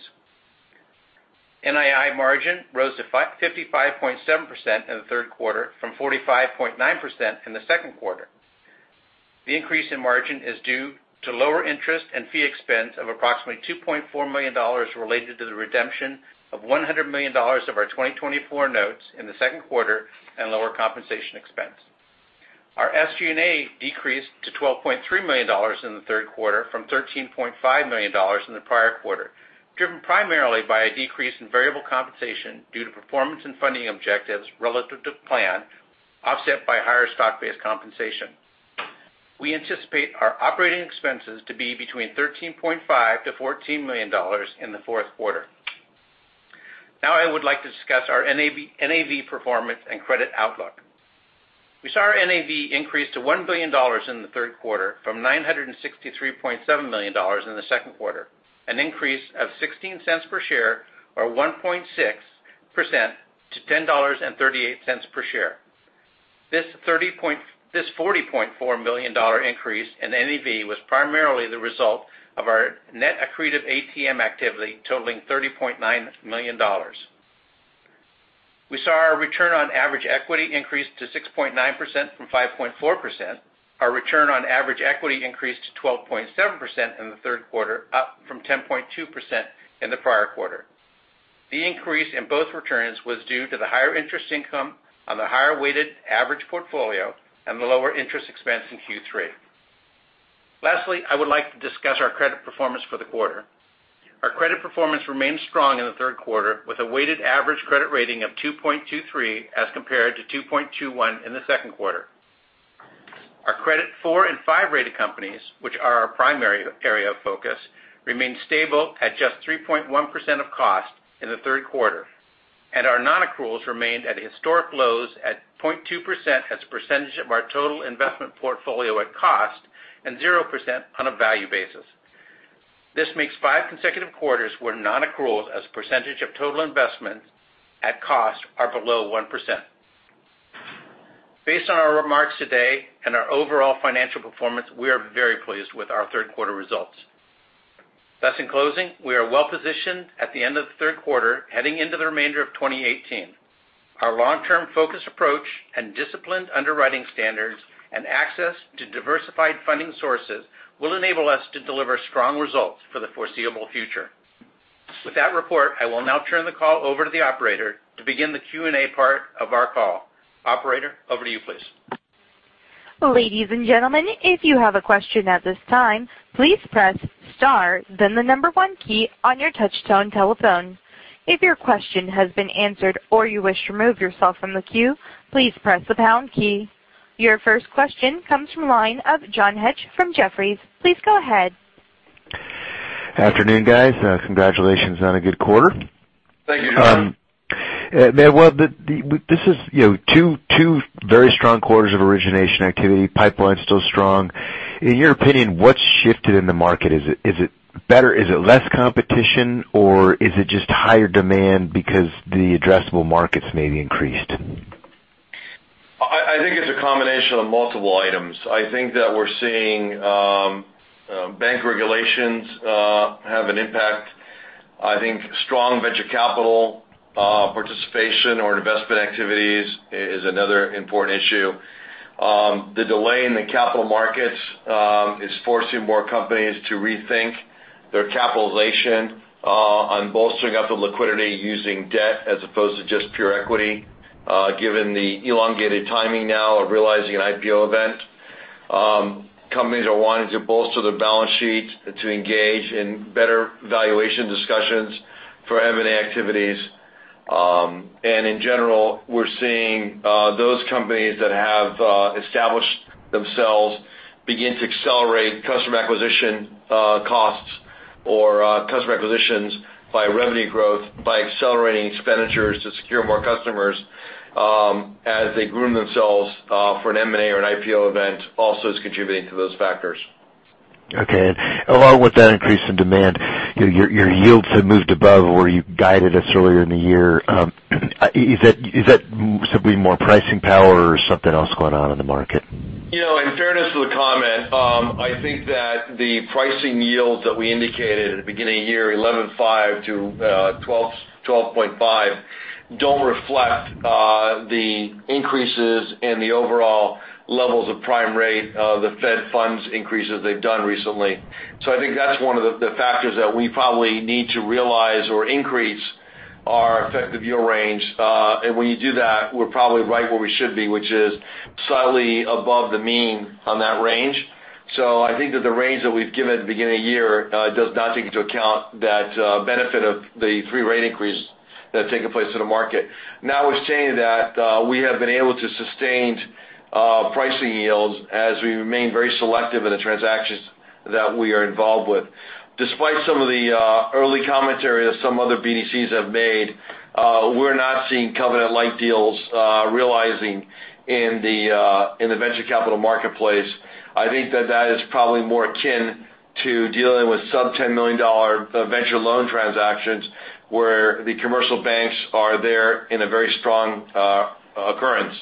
NII margin rose to 55.7% in the third quarter from 45.9% in the second quarter. The increase in margin is due to lower interest and fee expense of approximately $2.4 million related to the redemption of $100 million of our 2024 Notes in the second quarter and lower compensation expense. Our SG&A decreased to $12.3 million in the third quarter from $13.5 million in the prior quarter, driven primarily by a decrease in variable compensation due to performance and funding objectives relative to plan, offset by higher stock-based compensation. We anticipate our operating expenses to be between $13.5 million-$14 million in the fourth quarter. I would like to discuss our NAV performance and credit outlook. We saw our NAV increase to $1 billion in the third quarter from $963.7 million in the second quarter, an increase of $0.16 per share or 1.6% to $10.38 per share. This $40.4 million increase in NAV was primarily the result of our net accretive ATM activity totaling $30.9 million. We saw our return on average equity increase to 6.9% from 5.4%. Our return on average equity increased to 12.7% in the third quarter, up from 10.2% in the prior quarter. The increase in both returns was due to the higher interest income on the higher weighted average portfolio and the lower interest expense in Q3. Lastly, I would like to discuss our credit performance for the quarter. Our credit performance remained strong in the third quarter with a weighted average credit rating of 2.23 as compared to 2.21 in the second quarter. Our Credit 4 and 5 rated companies, which are our primary area of focus, remained stable at just 3.1% of cost in the third quarter. Our non-accruals remained at historic lows at 0.2% as a percentage of our total investment portfolio at cost and 0% on a value basis. This makes five consecutive quarters where non-accruals as a percentage of total investment at cost are below 1%. Based on our remarks today and our overall financial performance, we are very pleased with our third quarter results. In closing, we are well-positioned at the end of the third quarter heading into the remainder of 2018. Our long-term focus approach and disciplined underwriting standards and access to diversified funding sources will enable us to deliver strong results for the foreseeable future. With that report, I will now turn the call over to the operator to begin the Q&A part of our call. Operator, over to you, please. Ladies and gentlemen, if you have a question at this time, please press star then the number one key on your touch-tone telephone. If your question has been answered or you wish to remove yourself from the queue, please press the pound key. Your first question comes from the line of John Hecht from Jefferies. Please go ahead. Afternoon, guys. Congratulations on a good quarter. Thank you, John. Manuel, this is two very strong quarters of origination activity. Pipeline's still strong. In your opinion, what's shifted in the market? Is it less competition, or is it just higher demand because the addressable markets maybe increased? I think it's a combination of multiple items. I think that we're seeing bank regulations have an impact. I think strong venture capital participation or investment activities is another important issue. The delay in the capital markets is forcing more companies to rethink their capitalization on bolstering up the liquidity using debt as opposed to just pure equity, given the elongated timing now of realizing an IPO event. Companies are wanting to bolster their balance sheet to engage in better valuation discussions for M&A activities. In general, we're seeing those companies that have established themselves begin to accelerate customer acquisition costs or customer acquisitions by revenue growth, by accelerating expenditures to secure more customers, as they groom themselves for an M&A or an IPO event also is contributing to those factors. Okay. Along with that increase in demand, your yields have moved above where you guided us earlier in the year. Is that simply more pricing power or something else going on in the market? In fairness to the comment, I think that the pricing yields that we indicated at the beginning of the year, 11.5%-12.5%, don't reflect the increases in the overall levels of prime rate, the Fed funds increases they've done recently. I think that's one of the factors that we probably need to realize or increase our effective yield range. When you do that, we're probably right where we should be, which is slightly above the mean on that range. I think that the range that we've given at the beginning of the year does not take into account that benefit of the three rate increase that have taken place in the market. Now, with saying that, we have been able to sustain pricing yields as we remain very selective in the transactions that we are involved with. Despite some of the early commentary that some other BDCs have made, we're not seeing covenant-lite deals realizing in the venture capital marketplace. I think that that is probably more akin to dealing with sub-$10 million venture loan transactions, where the commercial banks are there in a very strong occurrence.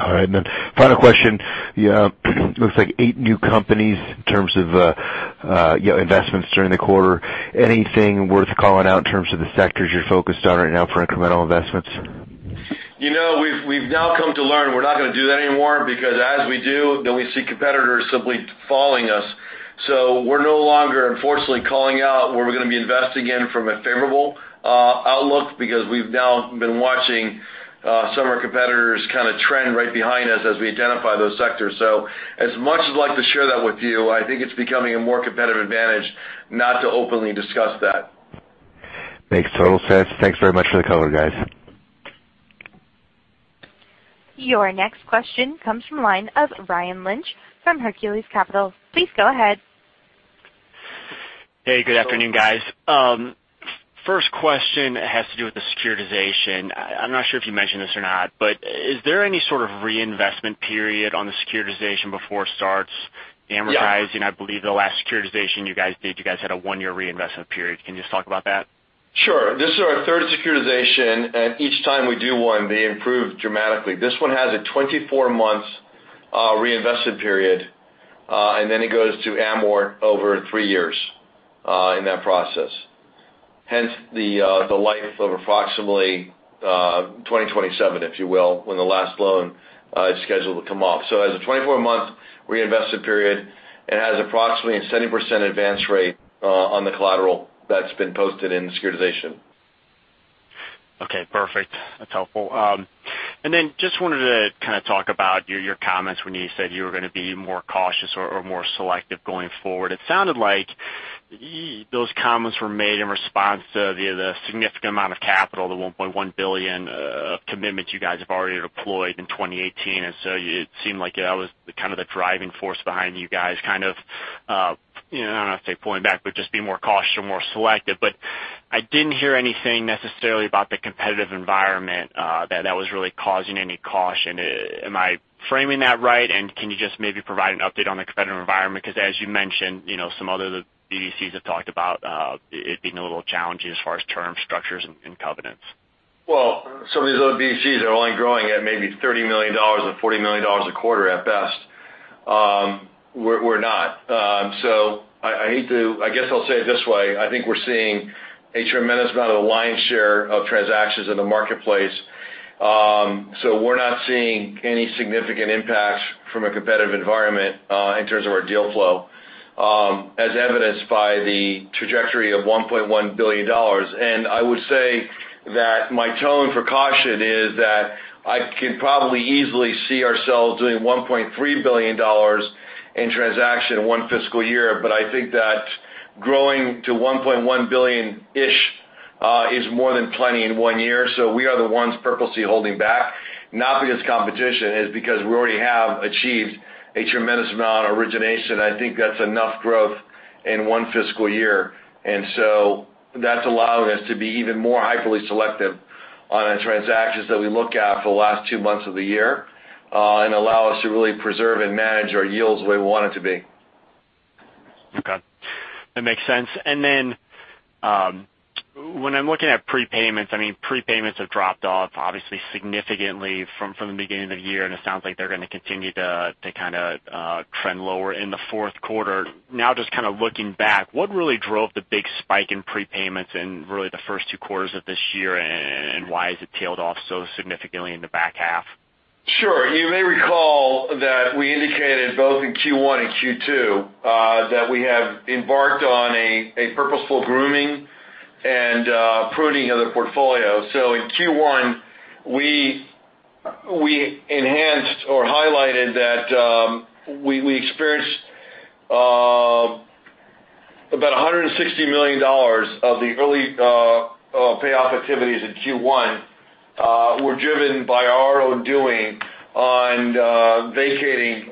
All right. Final question. It looks like eight new companies in terms of investments during the quarter. Anything worth calling out in terms of the sectors you're focused on right now for incremental investments? We've now come to learn we're not going to do that anymore because as we do, we see competitors simply following us. We're no longer, unfortunately, calling out where we're going to be investing in from a favorable outlook because we've now been watching some of our competitors kind of trend right behind us as we identify those sectors. As much as I'd like to share that with you, I think it's becoming a more competitive advantage not to openly discuss that. Makes total sense. Thanks very much for the color, guys. Your next question comes from the line of Ryan Lynch from KBW. Please go ahead. Hey, good afternoon, guys. First question has to do with the securitization. I'm not sure if you mentioned this or not, is there any sort of reinvestment period on the securitization before it starts amortizing? Yeah. I believe the last securitization you guys did, you guys had a one-year reinvestment period. Can you just talk about that? Sure. This is our third securitization, each time we do one, they improve dramatically. This one has a 24-month reinvestment period, then it goes to amort over three years in that process. Hence, the life of approximately 2027, if you will, when the last loan is scheduled to come off. It has a 24-month reinvestment period. It has approximately a 70% advance rate on the collateral that's been posted in the securitization. Okay, perfect. That's helpful. Then just wanted to kind of talk about your comments when you said you were going to be more cautious or more selective going forward. It sounded like those comments were made in response to the significant amount of capital, the $1.1 billion of commitments you guys have already deployed in 2018. So it seemed like that was kind of the driving force behind you guys kind of, I don't know if I'd say pulling back, but just be more cautious or more selective. I didn't hear anything necessarily about the competitive environment that was really causing any caution. Am I framing that right? Can you just maybe provide an update on the competitive environment? Because as you mentioned, some other BDCs have talked about it being a little challenging as far as term structures and covenants. Well, some of these other BDCs are only growing at maybe $30 million or $40 million a quarter at best. We're not. I guess I'll say it this way. I think we're seeing a tremendous amount of the lion's share of transactions in the marketplace. We're not seeing any significant impact from a competitive environment in terms of our deal flow, as evidenced by the trajectory of $1.1 billion. I would say that my tone for caution is that I can probably easily see ourselves doing $1.3 billion in transaction in one fiscal year. I think that growing to $1.1 billion-ish is more than plenty in one year. We are the ones purposely holding back, not because competition, it's because we already have achieved a tremendous amount of origination. I think that's enough growth in one fiscal year. So that's allowing us to be even more highly selective on the transactions that we look at for the last two months of the year, and allow us to really preserve and manage our yields the way we want it to be. Okay. That makes sense. Then, when I'm looking at prepayments have dropped off obviously significantly from the beginning of the year, and it sounds like they're going to continue to trend lower in the fourth quarter. Just looking back, what really drove the big spike in prepayments in really the first two quarters of this year, and why has it tailed off so significantly in the back half? Sure. You may recall that we indicated both in Q1 and Q2, that we have embarked on a purposeful grooming and pruning of the portfolio. In Q1, we enhanced or highlighted that we experienced about $160 million of the early payoff activities in Q1, were driven by our own doing on vacating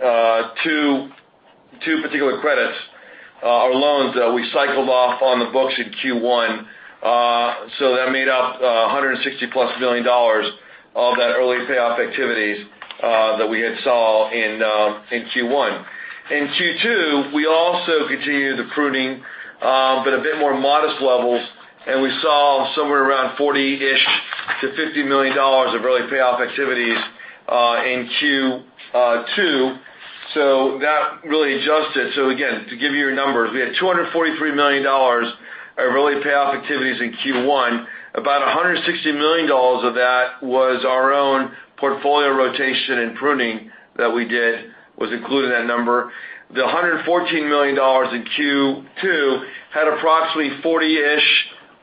two particular credits or loans that we cycled off on the books in Q1. That made up $160-plus million of that early payoff activities that we had saw in Q1. In Q2, we also continued the pruning, but a bit more modest levels, and we saw somewhere around 40-ish to $50 million of early payoff activities in Q2. That really adjusted. Again, to give you your numbers, we had $243 million of early payoff activities in Q1. About $160 million of that was our own portfolio rotation and pruning that we did, was included in that number. The $114 million in Q2 had approximately 40-ish,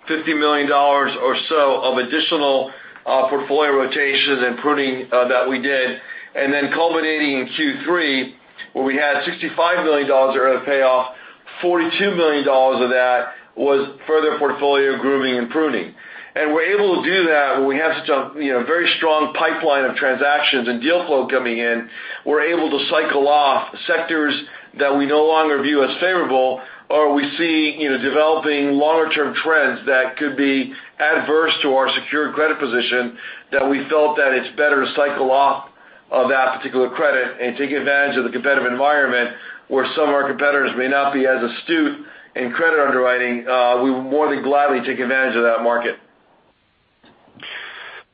$50 million or so of additional portfolio rotations and pruning that we did. Then culminating in Q3, where we had $65 million of early payoff, $42 million of that was further portfolio grooming and pruning. We're able to do that when we have such a very strong pipeline of transactions and deal flow coming in. We're able to cycle off sectors that we no longer view as favorable, or we see developing longer-term trends that could be adverse to our secured credit position, that we felt that it's better to cycle off of that particular credit and take advantage of the competitive environment, where some of our competitors may not be as astute in credit underwriting. We will more than gladly take advantage of that market.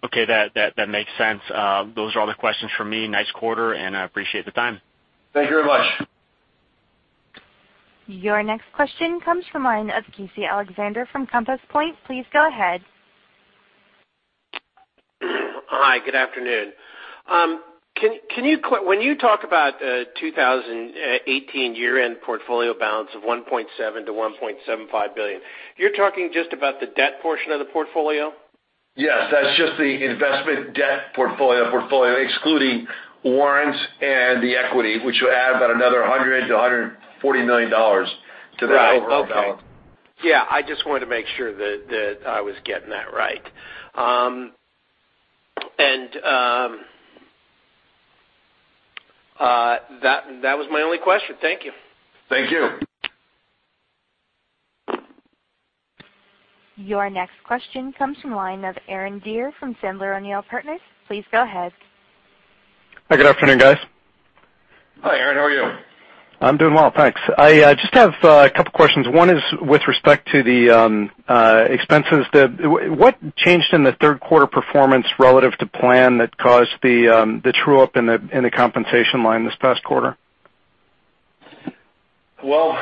Okay. That makes sense. Those are all the questions from me. Nice quarter, and I appreciate the time. Thank you very much. Your next question comes from the line of Casey Alexander from Compass Point. Please go ahead. Hi, good afternoon. When you talk about 2018 year-end portfolio balance of $1.7 billion-$1.75 billion, you're talking just about the debt portion of the portfolio? Yes, that's just the investment debt portfolio, excluding warrants and the equity, which will add about another $100 million-$140 million to that overall balance. Right. Okay. Yeah, I just wanted to make sure that I was getting that right. That was my only question. Thank you. Thank you. Your next question comes from the line of Aaron Deer from Sandler O'Neill + Partners. Please go ahead. Hi, good afternoon, guys. Hi, Aaron. How are you? I'm doing well, thanks. I just have a couple questions. One is with respect to the expenses. What changed in the third quarter performance relative to plan that caused the true-up in the compensation line this past quarter? Well,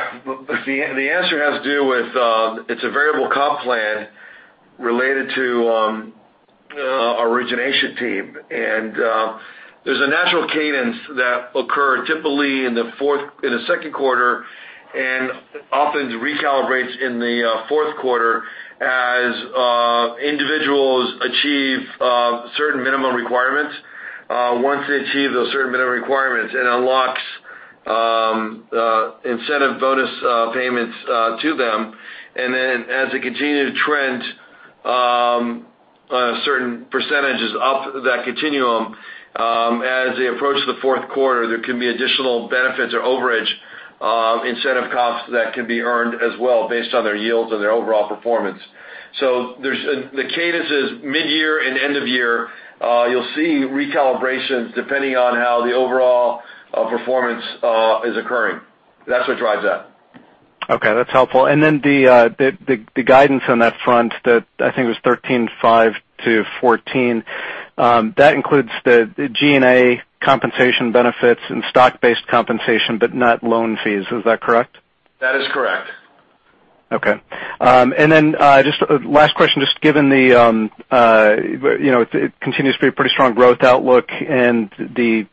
the answer has to do with, it's a variable comp plan related to our origination team. There's a natural cadence that occur typically in the second quarter and often recalibrates in the fourth quarter as individuals achieve certain minimum requirements. Once they achieve those certain minimum requirements, it unlocks incentive bonus payments to them. Then as they continue to trend certain percentages up that continuum, as they approach the fourth quarter, there can be additional benefits or overage incentive comps that can be earned as well based on their yields and their overall performance. The cadence is mid-year and end of year. You'll see recalibrations depending on how the overall performance is occurring. That's what drives that. Okay, that's helpful. Then the guidance on that front that I think was 13.5 to 14That includes the G&A compensation benefits and stock-based compensation, but not loan fees. Is that correct? That is correct. Last question, just given it continues to be a pretty strong growth outlook and the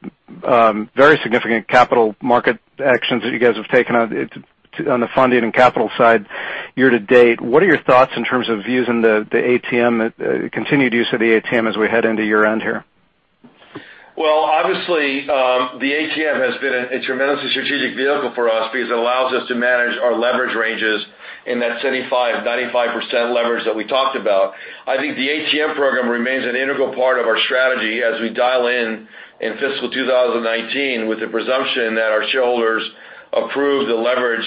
very significant capital market actions that you guys have taken on the funding and capital side year-to-date, what are your thoughts in terms of the continued use of the ATM as we head into year-end here? Well, obviously, the ATM has been a tremendously strategic vehicle for us because it allows us to manage our leverage ranges in that 75%-95% leverage that we talked about. I think the ATM program remains an integral part of our strategy as we dial in in fiscal 2019 with the presumption that our shareholders approve the leverage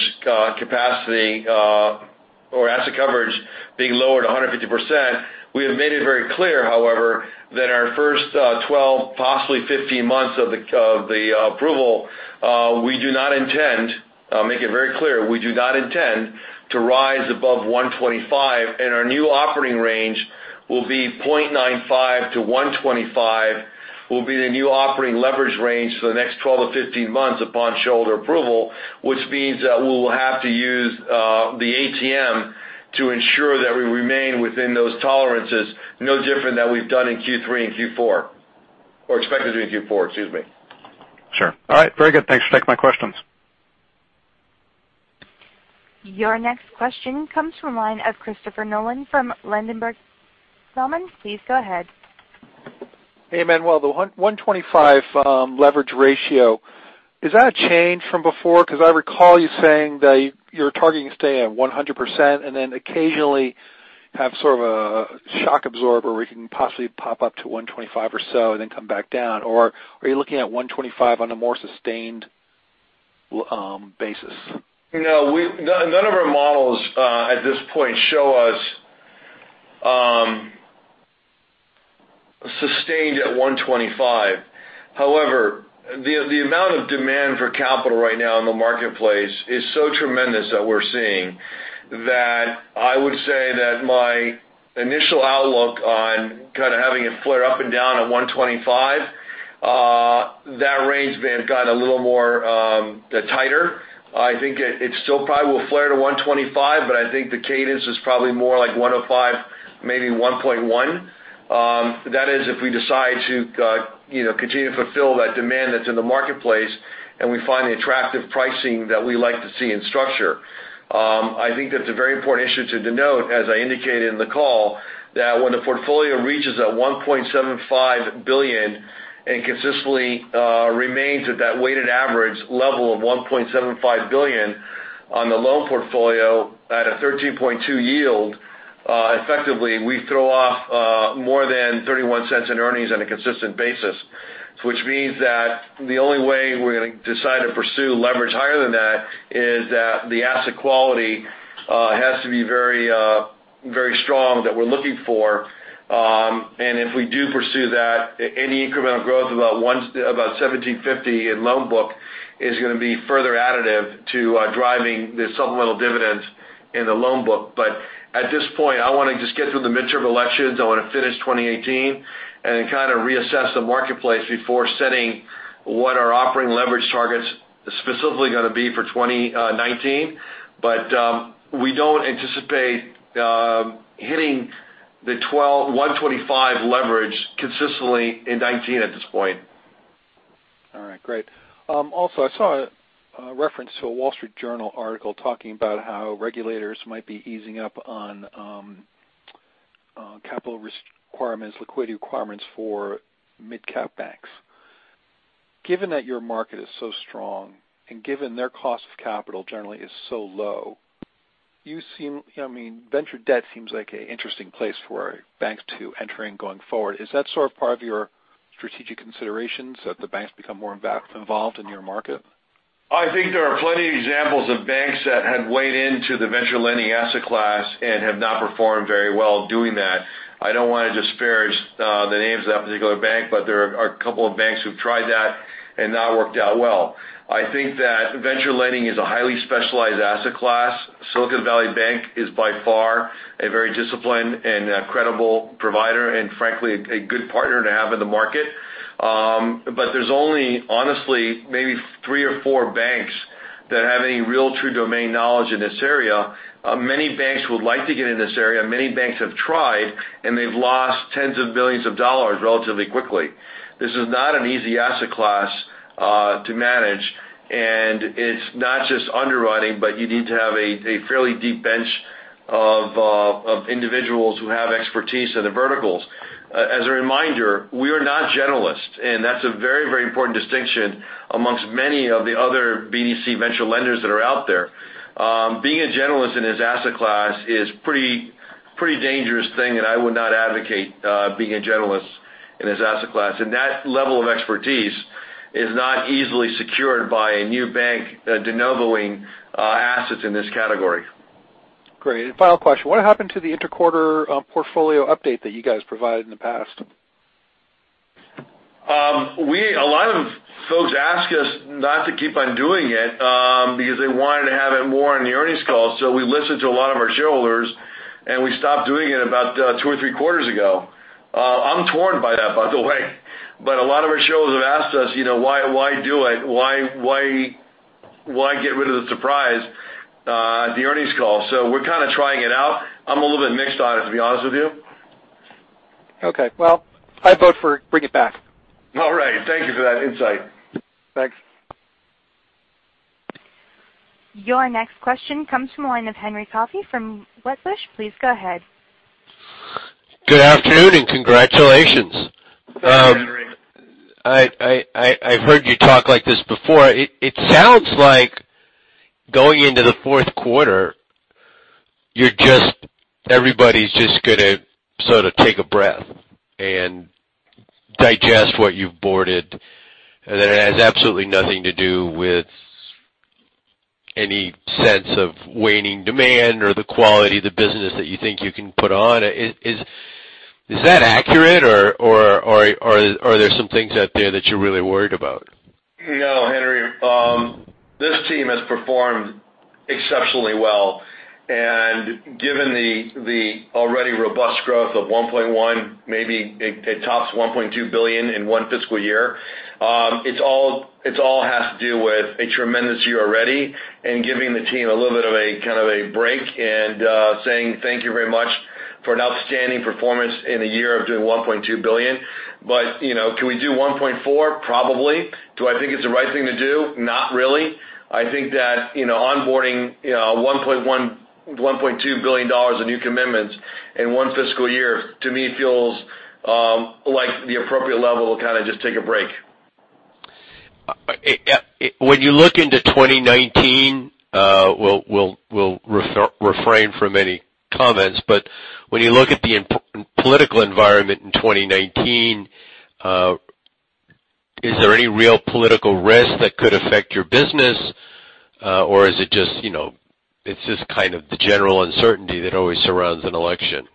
capacity or asset coverage being lowered 150%. We have made it very clear, however, that our first 12, possibly 15 months of the approval, I'll make it very clear, we do not intend to rise above 125%, and our new operating range will be 0.95-0.125, will be the new operating leverage range for the next 12 to 15 months upon shareholder approval, which means that we will have to use the ATM to ensure that we remain within those tolerances, no different than we've done in Q3 and Q4. Expected to be in Q4, excuse me. Sure. All right. Very good. Thanks for taking my questions. Your next question comes from the line of Christopher Nolan from Ladenburg Thalmann. Please go ahead. Hey, Manuel. The 125 leverage ratio, is that a change from before? I recall you saying that you're targeting to stay at 100% and then occasionally have sort of a shock absorber where you can possibly pop up to 125 or so, and then come back down. Are you looking at 125 on a more sustained basis? No. None of our models at this point show us sustained at 125. The amount of demand for capital right now in the marketplace is so tremendous that we're seeing, that I would say that my initial outlook on kind of having it flare up and down at 125, that range band got a little more tighter. I think it still probably will flare to 125, I think the cadence is probably more like 105, maybe 1.1. That is, if we decide to continue to fulfill that demand that's in the marketplace, and we find the attractive pricing that we like to see in structure. I think that's a very important issue to denote, as I indicated in the call, that when the portfolio reaches that $1.75 billion and consistently remains at that weighted average level of $1.75 billion on the loan portfolio at a 13.2 yield, effectively, we throw off more than $0.31 in earnings on a consistent basis, which means that the only way we're going to decide to pursue leverage higher than that is that the asset quality has to be very strong that we're looking for. If we do pursue that, any incremental growth of about $1,750 in loan book is going to be further additive to driving the supplemental dividends in the loan book. At this point, I want to just get through the midterm elections. I want to finish 2018 and kind of reassess the marketplace before setting what our operating leverage targets specifically going to be for 2019. We don't anticipate hitting the 125 leverage consistently in 2019 at this point. All right. Great. Also, I saw a reference to a Wall Street Journal article talking about how regulators might be easing up on capital requirements, liquidity requirements for mid-cap banks. Given that your market is so strong and given their cost of capital generally is so low, venture debt seems like an interesting place for banks to enter and going forward. Is that sort of part of your strategic considerations that the banks become more involved in your market? I think there are plenty of examples of banks that had weighed into the venture lending asset class and have not performed very well doing that. I don't want to disparage the names of that particular bank, there are a couple of banks who've tried that and not worked out well. I think that venture lending is a highly specialized asset class. Silicon Valley Bank is by far a very disciplined and credible provider and frankly, a good partner to have in the market. There's only, honestly, maybe three or four banks that have any real true domain knowledge in this area. Many banks would like to get in this area. Many banks have tried, and they've lost tens of billions of dollars relatively quickly. This is not an easy asset class to manage, and it's not just underwriting, but you need to have a fairly deep bench of individuals who have expertise in the verticals. As a reminder, we are not generalists, and that's a very, very important distinction amongst many of the other BDC venture lenders that are out there. Being a generalist in this asset class is pretty dangerous thing, and I would not advocate being a generalist in this asset class. That level of expertise is not easily secured by a new bank de novo-ing assets in this category. Final question. What happened to the inter-quarter portfolio update that you guys provided in the past? A lot of folks ask us not to keep on doing it, because they wanted to have it more on the earnings call. We listened to a lot of our shareholders, and we stopped doing it about two or three quarters ago. I'm torn by that, by the way. A lot of our shareholders have asked us, "Why do it? Why get rid of the surprise at the earnings call?" We're kind of trying it out. I'm a little bit mixed on it, to be honest with you. Okay. Well, I vote for bring it back. All right. Thank you for that insight. Thanks. Your next question comes from the line of Henry Coffey from Wedbush. Please go ahead. Good afternoon, congratulations. Thank you, Henry. I've heard you talk like this before. It sounds like going into the fourth quarter, everybody's just going to sort of take a breath and digest what you've boarded, and that it has absolutely nothing to do with any sense of waning demand or the quality of the business that you think you can put on. Is that accurate, or are there some things out there that you're really worried about? No, Henry. This team has performed exceptionally well. Given the already robust growth of 1.1, maybe it tops $1.2 billion in one fiscal year, it all has to do with a tremendous year already and giving the team a little bit of a break and saying thank you very much for an outstanding performance in a year of doing $1.2 billion. Can we do 1.4? Probably. Do I think it's the right thing to do? Not really. I think that onboarding $1.2 billion of new commitments in one fiscal year, to me, feels like the appropriate level to kind of just take a break. When you look into 2019, we'll refrain from any comments. When you look at the political environment in 2019, is there any real political risk that could affect your business? Or is it just kind of the general uncertainty that always surrounds an election?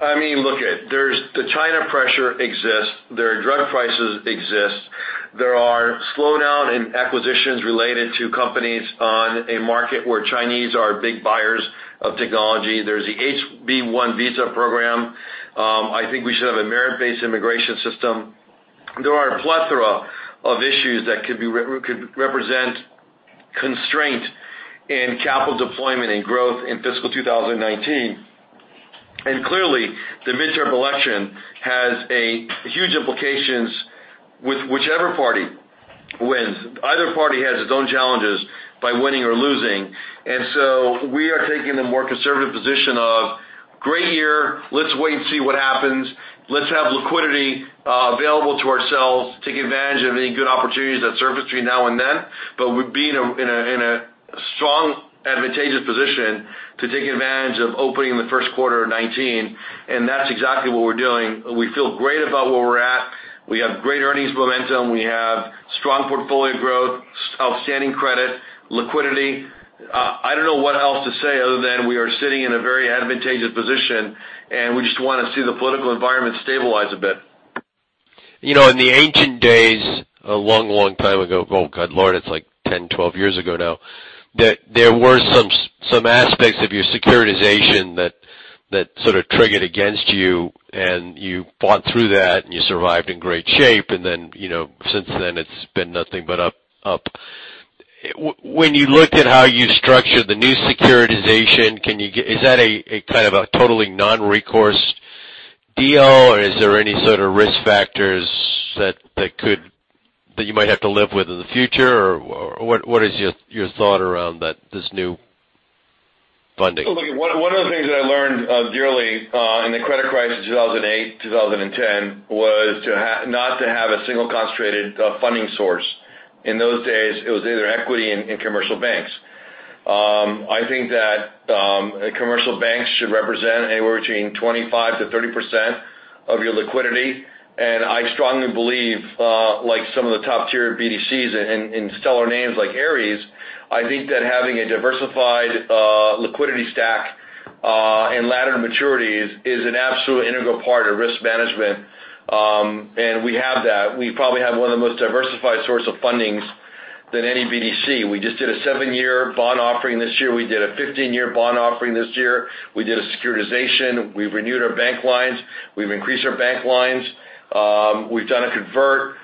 Look, the China pressure exists. The drug prices exist. There are slowdown in acquisitions related to companies on a market where Chinese are big buyers of technology. There's the H-1B visa program. I think we should have a merit-based immigration system. There are a plethora of issues that could represent constraint in capital deployment and growth in fiscal 2019. Clearly, the midterm election has a huge implications with whichever party wins. Either party has its own challenges by winning or losing. We are taking the more conservative position of great year, let's wait and see what happens. Let's have liquidity available to ourselves, take advantage of any good opportunities that surface between now and then. We've been in a strong, advantageous position to take advantage of opening in the first quarter of 2019, and that's exactly what we're doing. We feel great about where we're at. We have great earnings momentum. We have strong portfolio growth, outstanding credit, liquidity. I don't know what else to say other than we are sitting in a very advantageous position, and we just want to see the political environment stabilize a bit. In the ancient days, a long time ago, oh, good Lord, it's like 10, 12 years ago now. There were some aspects of your securitization that sort of triggered against you, and you fought through that, and you survived in great shape. Then, since then it's been nothing but up. When you looked at how you structured the new securitization, is that a kind of a totally non-recourse deal? Is there any sort of risk factors that you might have to live with in the future? What is your thought around this new funding? Look, one of the things that I learned dearly in the credit crisis of 2008, 2010 was not to have a single concentrated funding source. In those days, it was either equity in commercial banks. I think that commercial banks should represent anywhere between 25%-30% of your liquidity. I strongly believe, like some of the top-tier BDCs in stellar names like Ares, I think that having a diversified liquidity stack in ladder maturities is an absolute integral part of risk management, and we have that. We probably have one of the most diversified source of fundings than any BDC. We just did a seven-year bond offering this year. We did a 15-year bond offering this year. We did a securitization. We've renewed our bank lines. We've increased our bank lines. We've done a convert.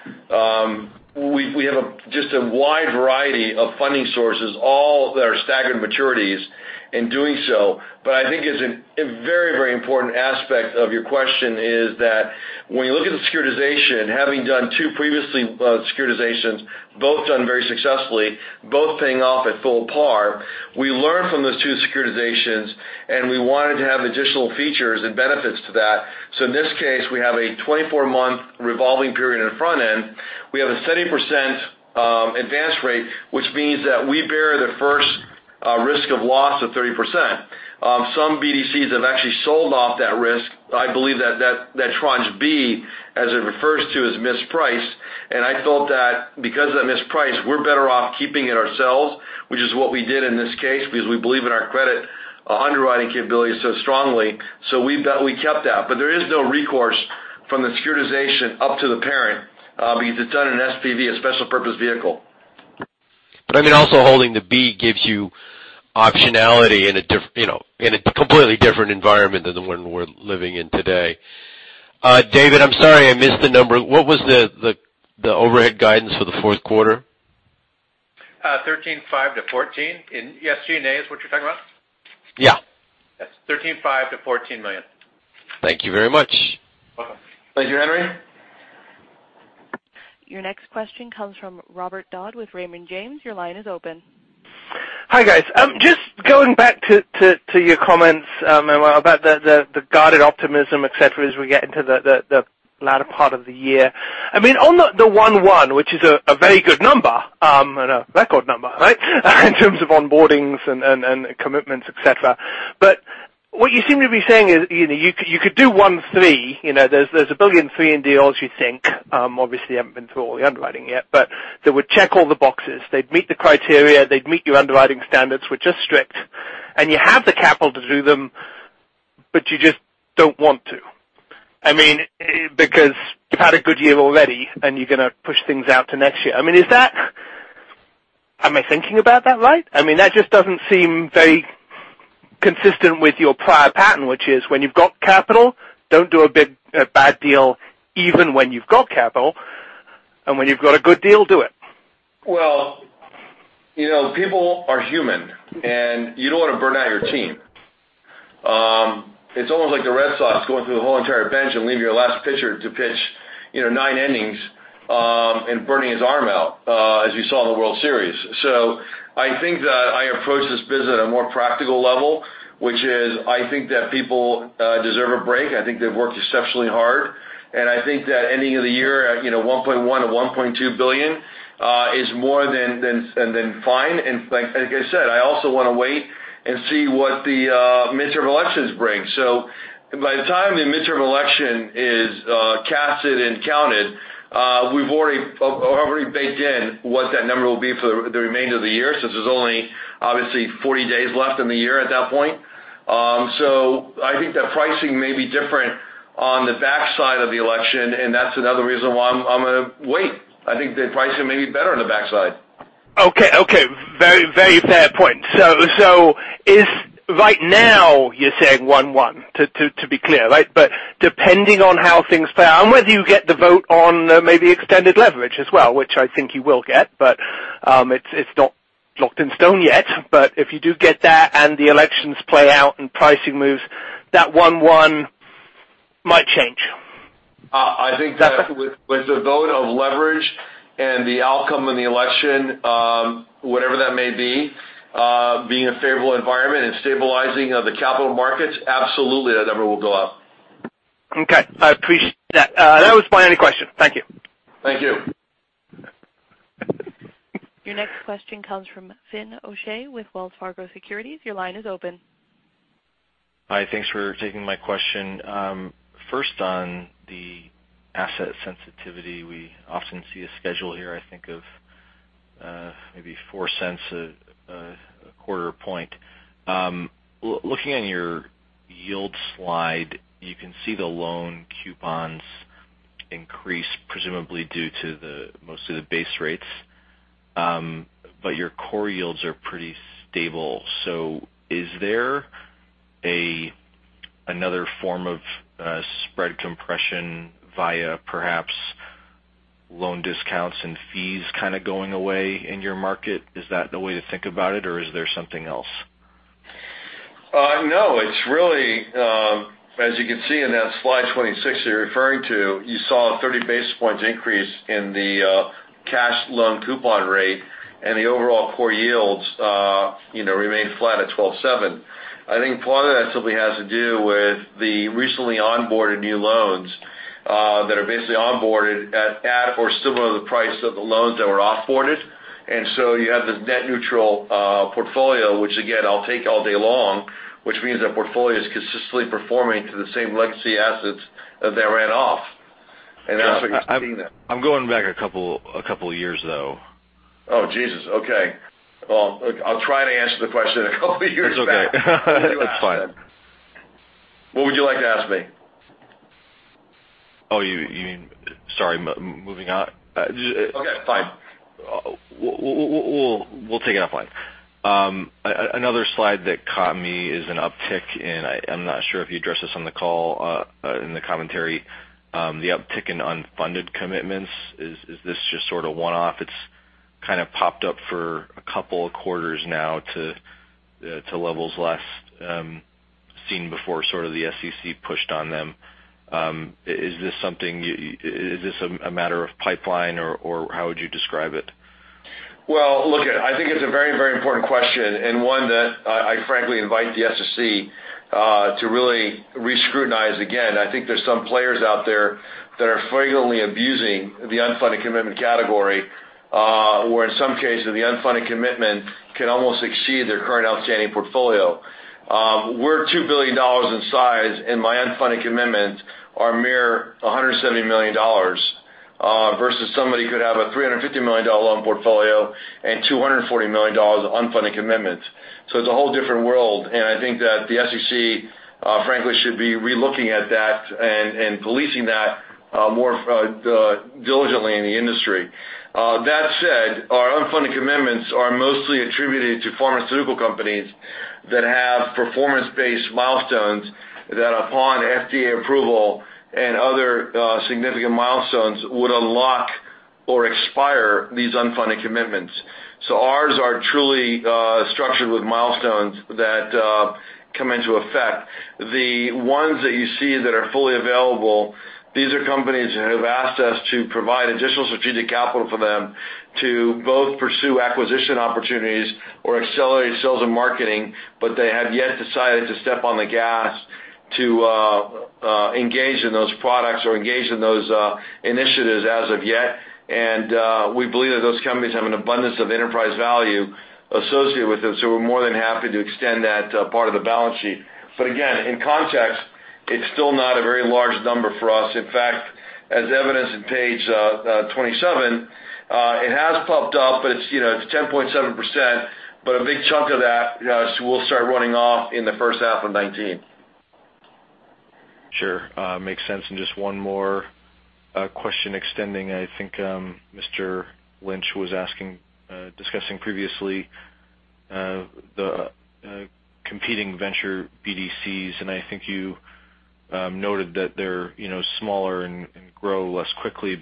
We have just a wide variety of funding sources, all that are staggered maturities in doing so. I think a very important aspect of your question is that when you look at the securitization, having done two previously securitizations, both done very successfully, both paying off at full par. We learned from those two securitizations, and we wanted to have additional features and benefits to that. In this case, we have a 24-month revolving period on the front end. We have a 30% advance rate, which means that we bear the first risk of loss of 30%. Some BDCs have actually sold off that risk. I believe that tranche B, as it refers to, is mispriced, and I felt that because of that mispriced, we're better off keeping it ourselves, which is what we did in this case, because we believe in our credit underwriting capabilities so strongly. We kept that. There is no recourse from the securitization up to the parent, because it's done in an SPV, a special purpose vehicle. I mean, also holding the B gives you optionality in a completely different environment than the one we're living in today. David, I'm sorry, I missed the number. What was the overhead guidance for the fourth quarter? $13.5-$14 in G&A is what you're talking about? Yeah. That's $13.5 million-$14 million. Thank you very much. Welcome. Thank you, Henry. Your next question comes from Robert Dodd with Raymond James. Your line is open. Hi, guys. Just going back to your comments, Manuel, about the guarded optimism, et cetera, as we get into the latter part of the year. I mean, on the 1.1, which is a very good number and a record number, right? In terms of onboardings and commitments, et cetera. What you seem to be saying is you could do 1.3. There's $1.3 billion in deals you think. Obviously, you haven't been through all the underwriting yet, but that would check all the boxes. They'd meet the criteria, they'd meet your underwriting standards, which are strict, and you have the capital to do them, but you just don't want to. I mean, because you've had a good year already, and you're going to push things out to next year. Am I thinking about that right? I mean, that just doesn't seem very consistent with your prior pattern, which is when you've got capital, don't do a bad deal even when you've got capital. When you've got a good deal, do it. Well, people are human, and you don't want to burn out your team. It's almost like the Red Sox going through the whole entire bench and leave your last pitcher to pitch nine innings, and burning his arm out, as you saw in the World Series. I think that I approach this business at a more practical level, which is, I think that people deserve a break. I think they've worked exceptionally hard, and I think that ending of the year at $1.1 billion or $1.2 billion is more than fine. Like I said, I also want to wait and see what the midterm elections bring. By the time the midterm election is casted and counted, we've already baked in what that number will be for the remainder of the year, since there's only obviously 40 days left in the year at that point. I think that pricing may be different on the backside of the election, and that's another reason why I'm going to wait. I think the pricing may be better on the backside. Okay. Very fair point. Right now you're saying one one, to be clear, right? Depending on how things play out and whether you get the vote on maybe extended leverage as well, which I think you will get, but it's not locked in stone yet. If you do get that and the elections play out and pricing moves, that one one might change. I think that with the vote of leverage and the outcome of the election, whatever that may be, being a favorable environment and stabilizing of the capital markets, absolutely that number will go up. Okay. I appreciate that. That was my only question. Thank you. Thank you. Your next question comes from Finian O'Shea with Wells Fargo Securities. Your line is open. Hi. Thanks for taking my question. First on the asset sensitivity, we often see a schedule here, I think of maybe $0.04 a 0.25 point. Looking at your yield slide, you can see the loan coupons increase, presumably due to mostly the base rates. Your core yields are pretty stable. Is there another form of spread compression via perhaps loan discounts and fees kind of going away in your market? Is that the way to think about it, or is there something else? No. As you can see in that slide 26 you're referring to, you saw a 30 basis points increase in the cash loan coupon rate and the overall core yields remained flat at 12.7. I think part of that simply has to do with the recently onboarded new loans that are basically onboarded at or similar to the price of the loans that were off-boarded. You have this net neutral portfolio, which again, I'll take all day long, which means our portfolio is consistently performing to the same legacy assets that ran off. That's what you're seeing there. I'm going back a couple of years, though. Oh, Jesus. Okay. I'll try to answer the question a couple years back. It's okay. It's fine. What would you like to ask then? What would you like to ask me? Oh, you mean Sorry, moving on. Okay, fine. We'll take it offline. Another slide that caught me is an uptick in, I'm not sure if you addressed this on the call in the commentary. The uptick in unfunded commitments. Is this just sort of one-off? It's kind of popped up for a couple of quarters now to levels last seen before sort of the SEC pushed on them. Is this a matter of pipeline or how would you describe it? Look, I think it's a very, very important question and one that I frankly invite the SEC to really re-scrutinize again. I think there's some players out there that are flagrantly abusing the unfunded commitment category. Where in some cases, the unfunded commitment can almost exceed their current outstanding portfolio. We're $2 billion in size, and my unfunded commitments are a mere $170 million, versus somebody could have a $350 million loan portfolio and $240 million of unfunded commitments. It's a whole different world, and I think that the SEC, frankly, should be re-looking at that and policing that more diligently in the industry. That said, our unfunded commitments are mostly attributed to pharmaceutical companies that have performance-based milestones that, upon FDA approval and other significant milestones, would unlock or expire these unfunded commitments. Ours are truly structured with milestones that come into effect. The ones that you see that are fully available, these are companies that have asked us to provide additional strategic capital for them to both pursue acquisition opportunities or accelerate sales and marketing. They have yet decided to step on the gas to engage in those products or engage in those initiatives as of yet. We believe that those companies have an abundance of enterprise value associated with them, so we're more than happy to extend that part of the balance sheet. Again, in context, it's still not a very large number for us. In fact, as evidenced on page 27, it has popped up, but it's 10.7%. A big chunk of that will start running off in the first half of 2019. Sure. Makes sense. Just one more question extending, I think Mr. Lynch was discussing previously, the competing venture BDCs, and I think you noted that they're smaller and grow less quickly.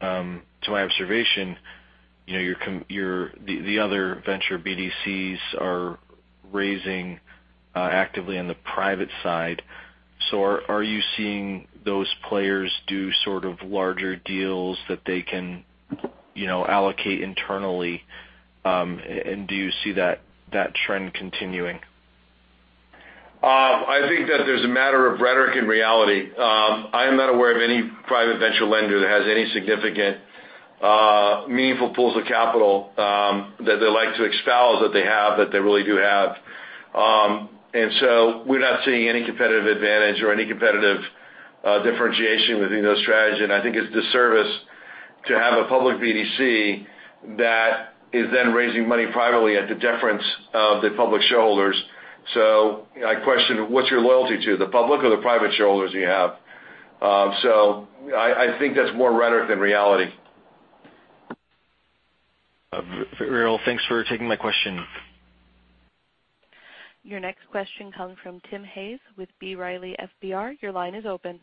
To my observation, the other venture BDCs are raising actively on the private side. Are you seeing those players do sort of larger deals that they can allocate internally? Do you see that trend continuing? I think that there's a matter of rhetoric and reality. I am not aware of any private venture lender that has any significant, meaningful pools of capital that they like to expound that they have, that they really do have. We're not seeing any competitive advantage or any competitive differentiation within those strategies. I think it's a disservice to have a public BDC that is then raising money privately at the deference of the public shareholders. I question, what's your loyalty to? The public or the private shareholders you have? I think that's more rhetoric than reality. Very well. Thanks for taking my question. Your next question comes from Timothy Hayes with B. Riley FBR. Your line is open.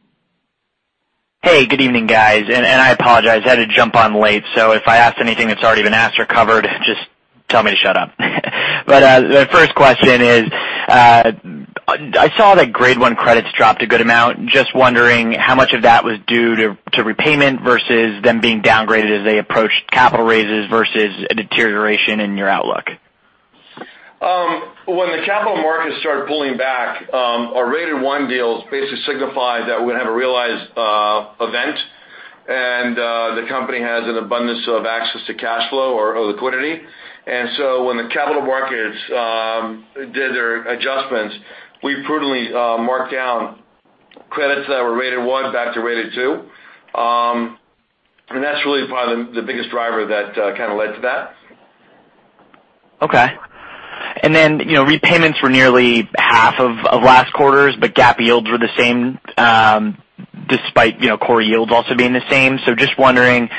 Hey, good evening, guys. I apologize, I had to jump on late, so if I ask anything that's already been asked or covered, just tell me to shut up. The first question is, I saw that Grade 1 credits dropped a good amount. Just wondering how much of that was due to repayment versus them being downgraded as they approached capital raises versus a deterioration in your outlook. When the capital markets started pulling back, our Rated One deals basically signified that we're going to have a realized event, and the company has an abundance of access to cash flow or liquidity. When the capital markets did their adjustments, we prudently marked down credits that were Rated One back to Rated Two. That's really probably the biggest driver that kind of led to that. Okay. Repayments were nearly half of last quarter's, but GAAP yields were the same, despite core yields also being the same. Just wondering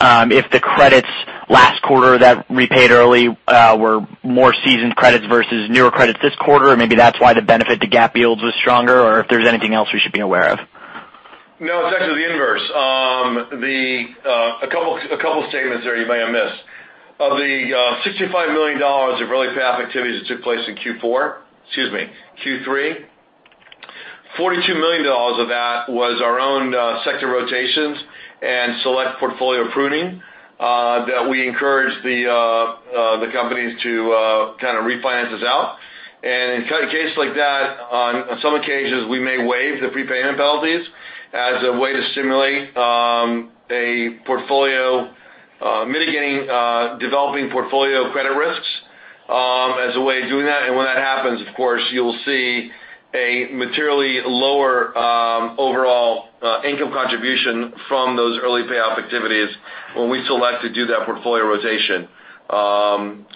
if the credits last quarter that repaid early were more seasoned credits versus newer credits this quarter, maybe that's why the benefit to GAAP yields was stronger, if there's anything else we should be aware of. No, it's actually the inverse. A couple of statements there you may have missed. Of the $65 million of early payoff activities that took place in Q4, excuse me, Q3, $42 million of that was our own sector rotations and select portfolio pruning, that we encouraged the companies to kind of refinance us out. In case like that, on some occasions, we may waive the prepayment penalties as a way to stimulate a portfolio, mitigating, developing portfolio credit risks, as a way of doing that. When that happens, of course, you'll see a materially lower overall income contribution from those early payoff activities when we select to do that portfolio rotation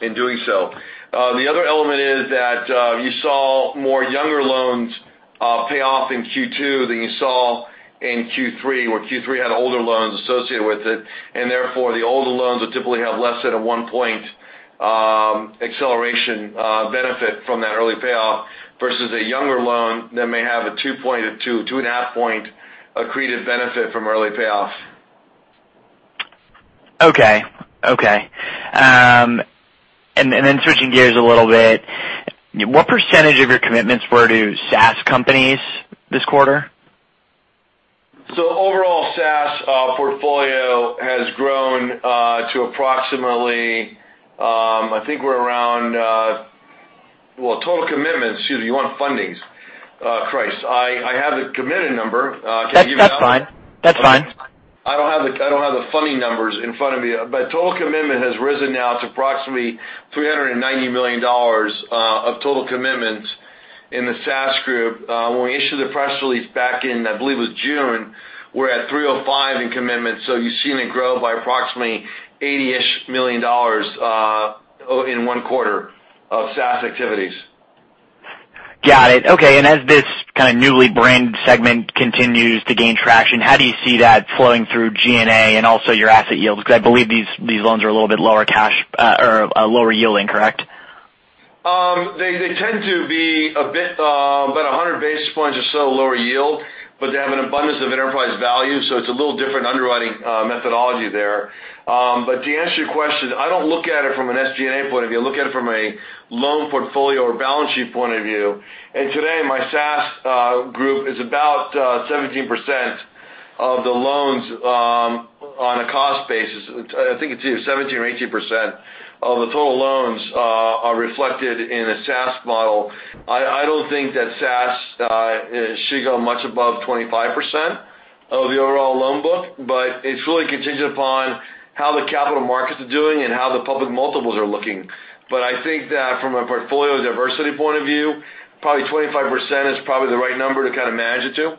in doing so. The other element is that you saw more younger loans pay off in Q2 than you saw in Q3, where Q3 had older loans associated with it. Therefore, the older loans would typically have less than a one-point acceleration benefit from that early payoff versus a younger loan that may have a two point or two and a half point accreted benefit from early payoff. Okay. Switching gears a little bit, what % of your commitments were to SaaS companies this quarter? Overall, SaaS portfolio has grown to approximately total commitments. Excuse me, you want fundings. Christ. I have the committed number. Can I give you that? That's fine. I don't have the funding numbers in front of me, total commitment has risen now to approximately $390 million of total commitments in the SaaS group. When we issued the press release back in, I believe it was June, we're at 305 in commitments. You've seen it grow by approximately $80-ish million in one quarter of SaaS activities. Got it. Okay. As this kind of newly branded segment continues to gain traction, how do you see that flowing through G&A and also your asset yields? Because I believe these loans are a little bit lower cash or lower yielding, correct? They tend to be about 100 basis points or so lower yield. They have an abundance of enterprise value. It's a little different underwriting methodology there. To answer your question, I don't look at it from an SG&A point of view. I look at it from a loan portfolio or balance sheet point of view. Today, my SaaS group is about 17% of the loans on a cost basis. I think it's either 17% or 18% of the total loans are reflected in a SaaS model. I don't think that SaaS should go much above 25% of the overall loan book. It's really contingent upon how the capital markets are doing and how the public multiples are looking. I think that from a portfolio diversity point of view, probably 25% is probably the right number to kind of manage it to.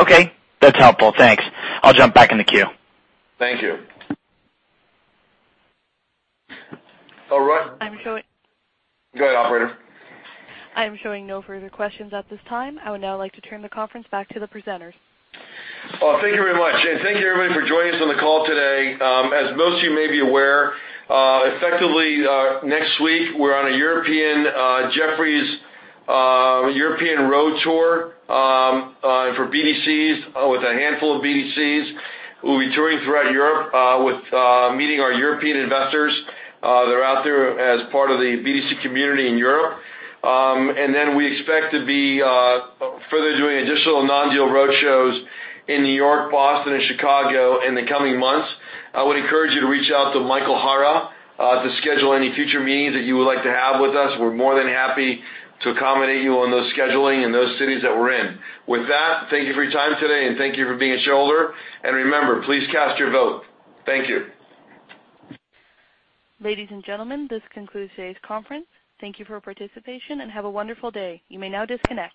Okay, that's helpful. Thanks. I'll jump back in the queue. Thank you. All right. I'm showing- Go ahead, operator. I am showing no further questions at this time. I would now like to turn the conference back to the presenters. Thank you very much. Thank you, everybody, for joining us on the call today. As most of you may be aware, effectively, next week, we're on a European Jefferies road tour for BDCs, with a handful of BDCs. We'll be touring throughout Europe, meeting our European investors that are out there as part of the BDC community in Europe. Then we expect to be further doing additional non-deal roadshows in New York, Boston, and Chicago in the coming months. I would encourage you to reach out to Michael Hara to schedule any future meetings that you would like to have with us. We're more than happy to accommodate you on those scheduling in those cities that we're in. With that, thank you for your time today, and thank you for being a shareholder. Remember, please cast your vote. Thank you. Ladies and gentlemen, this concludes today's conference. Thank you for your participation, and have a wonderful day. You may now disconnect.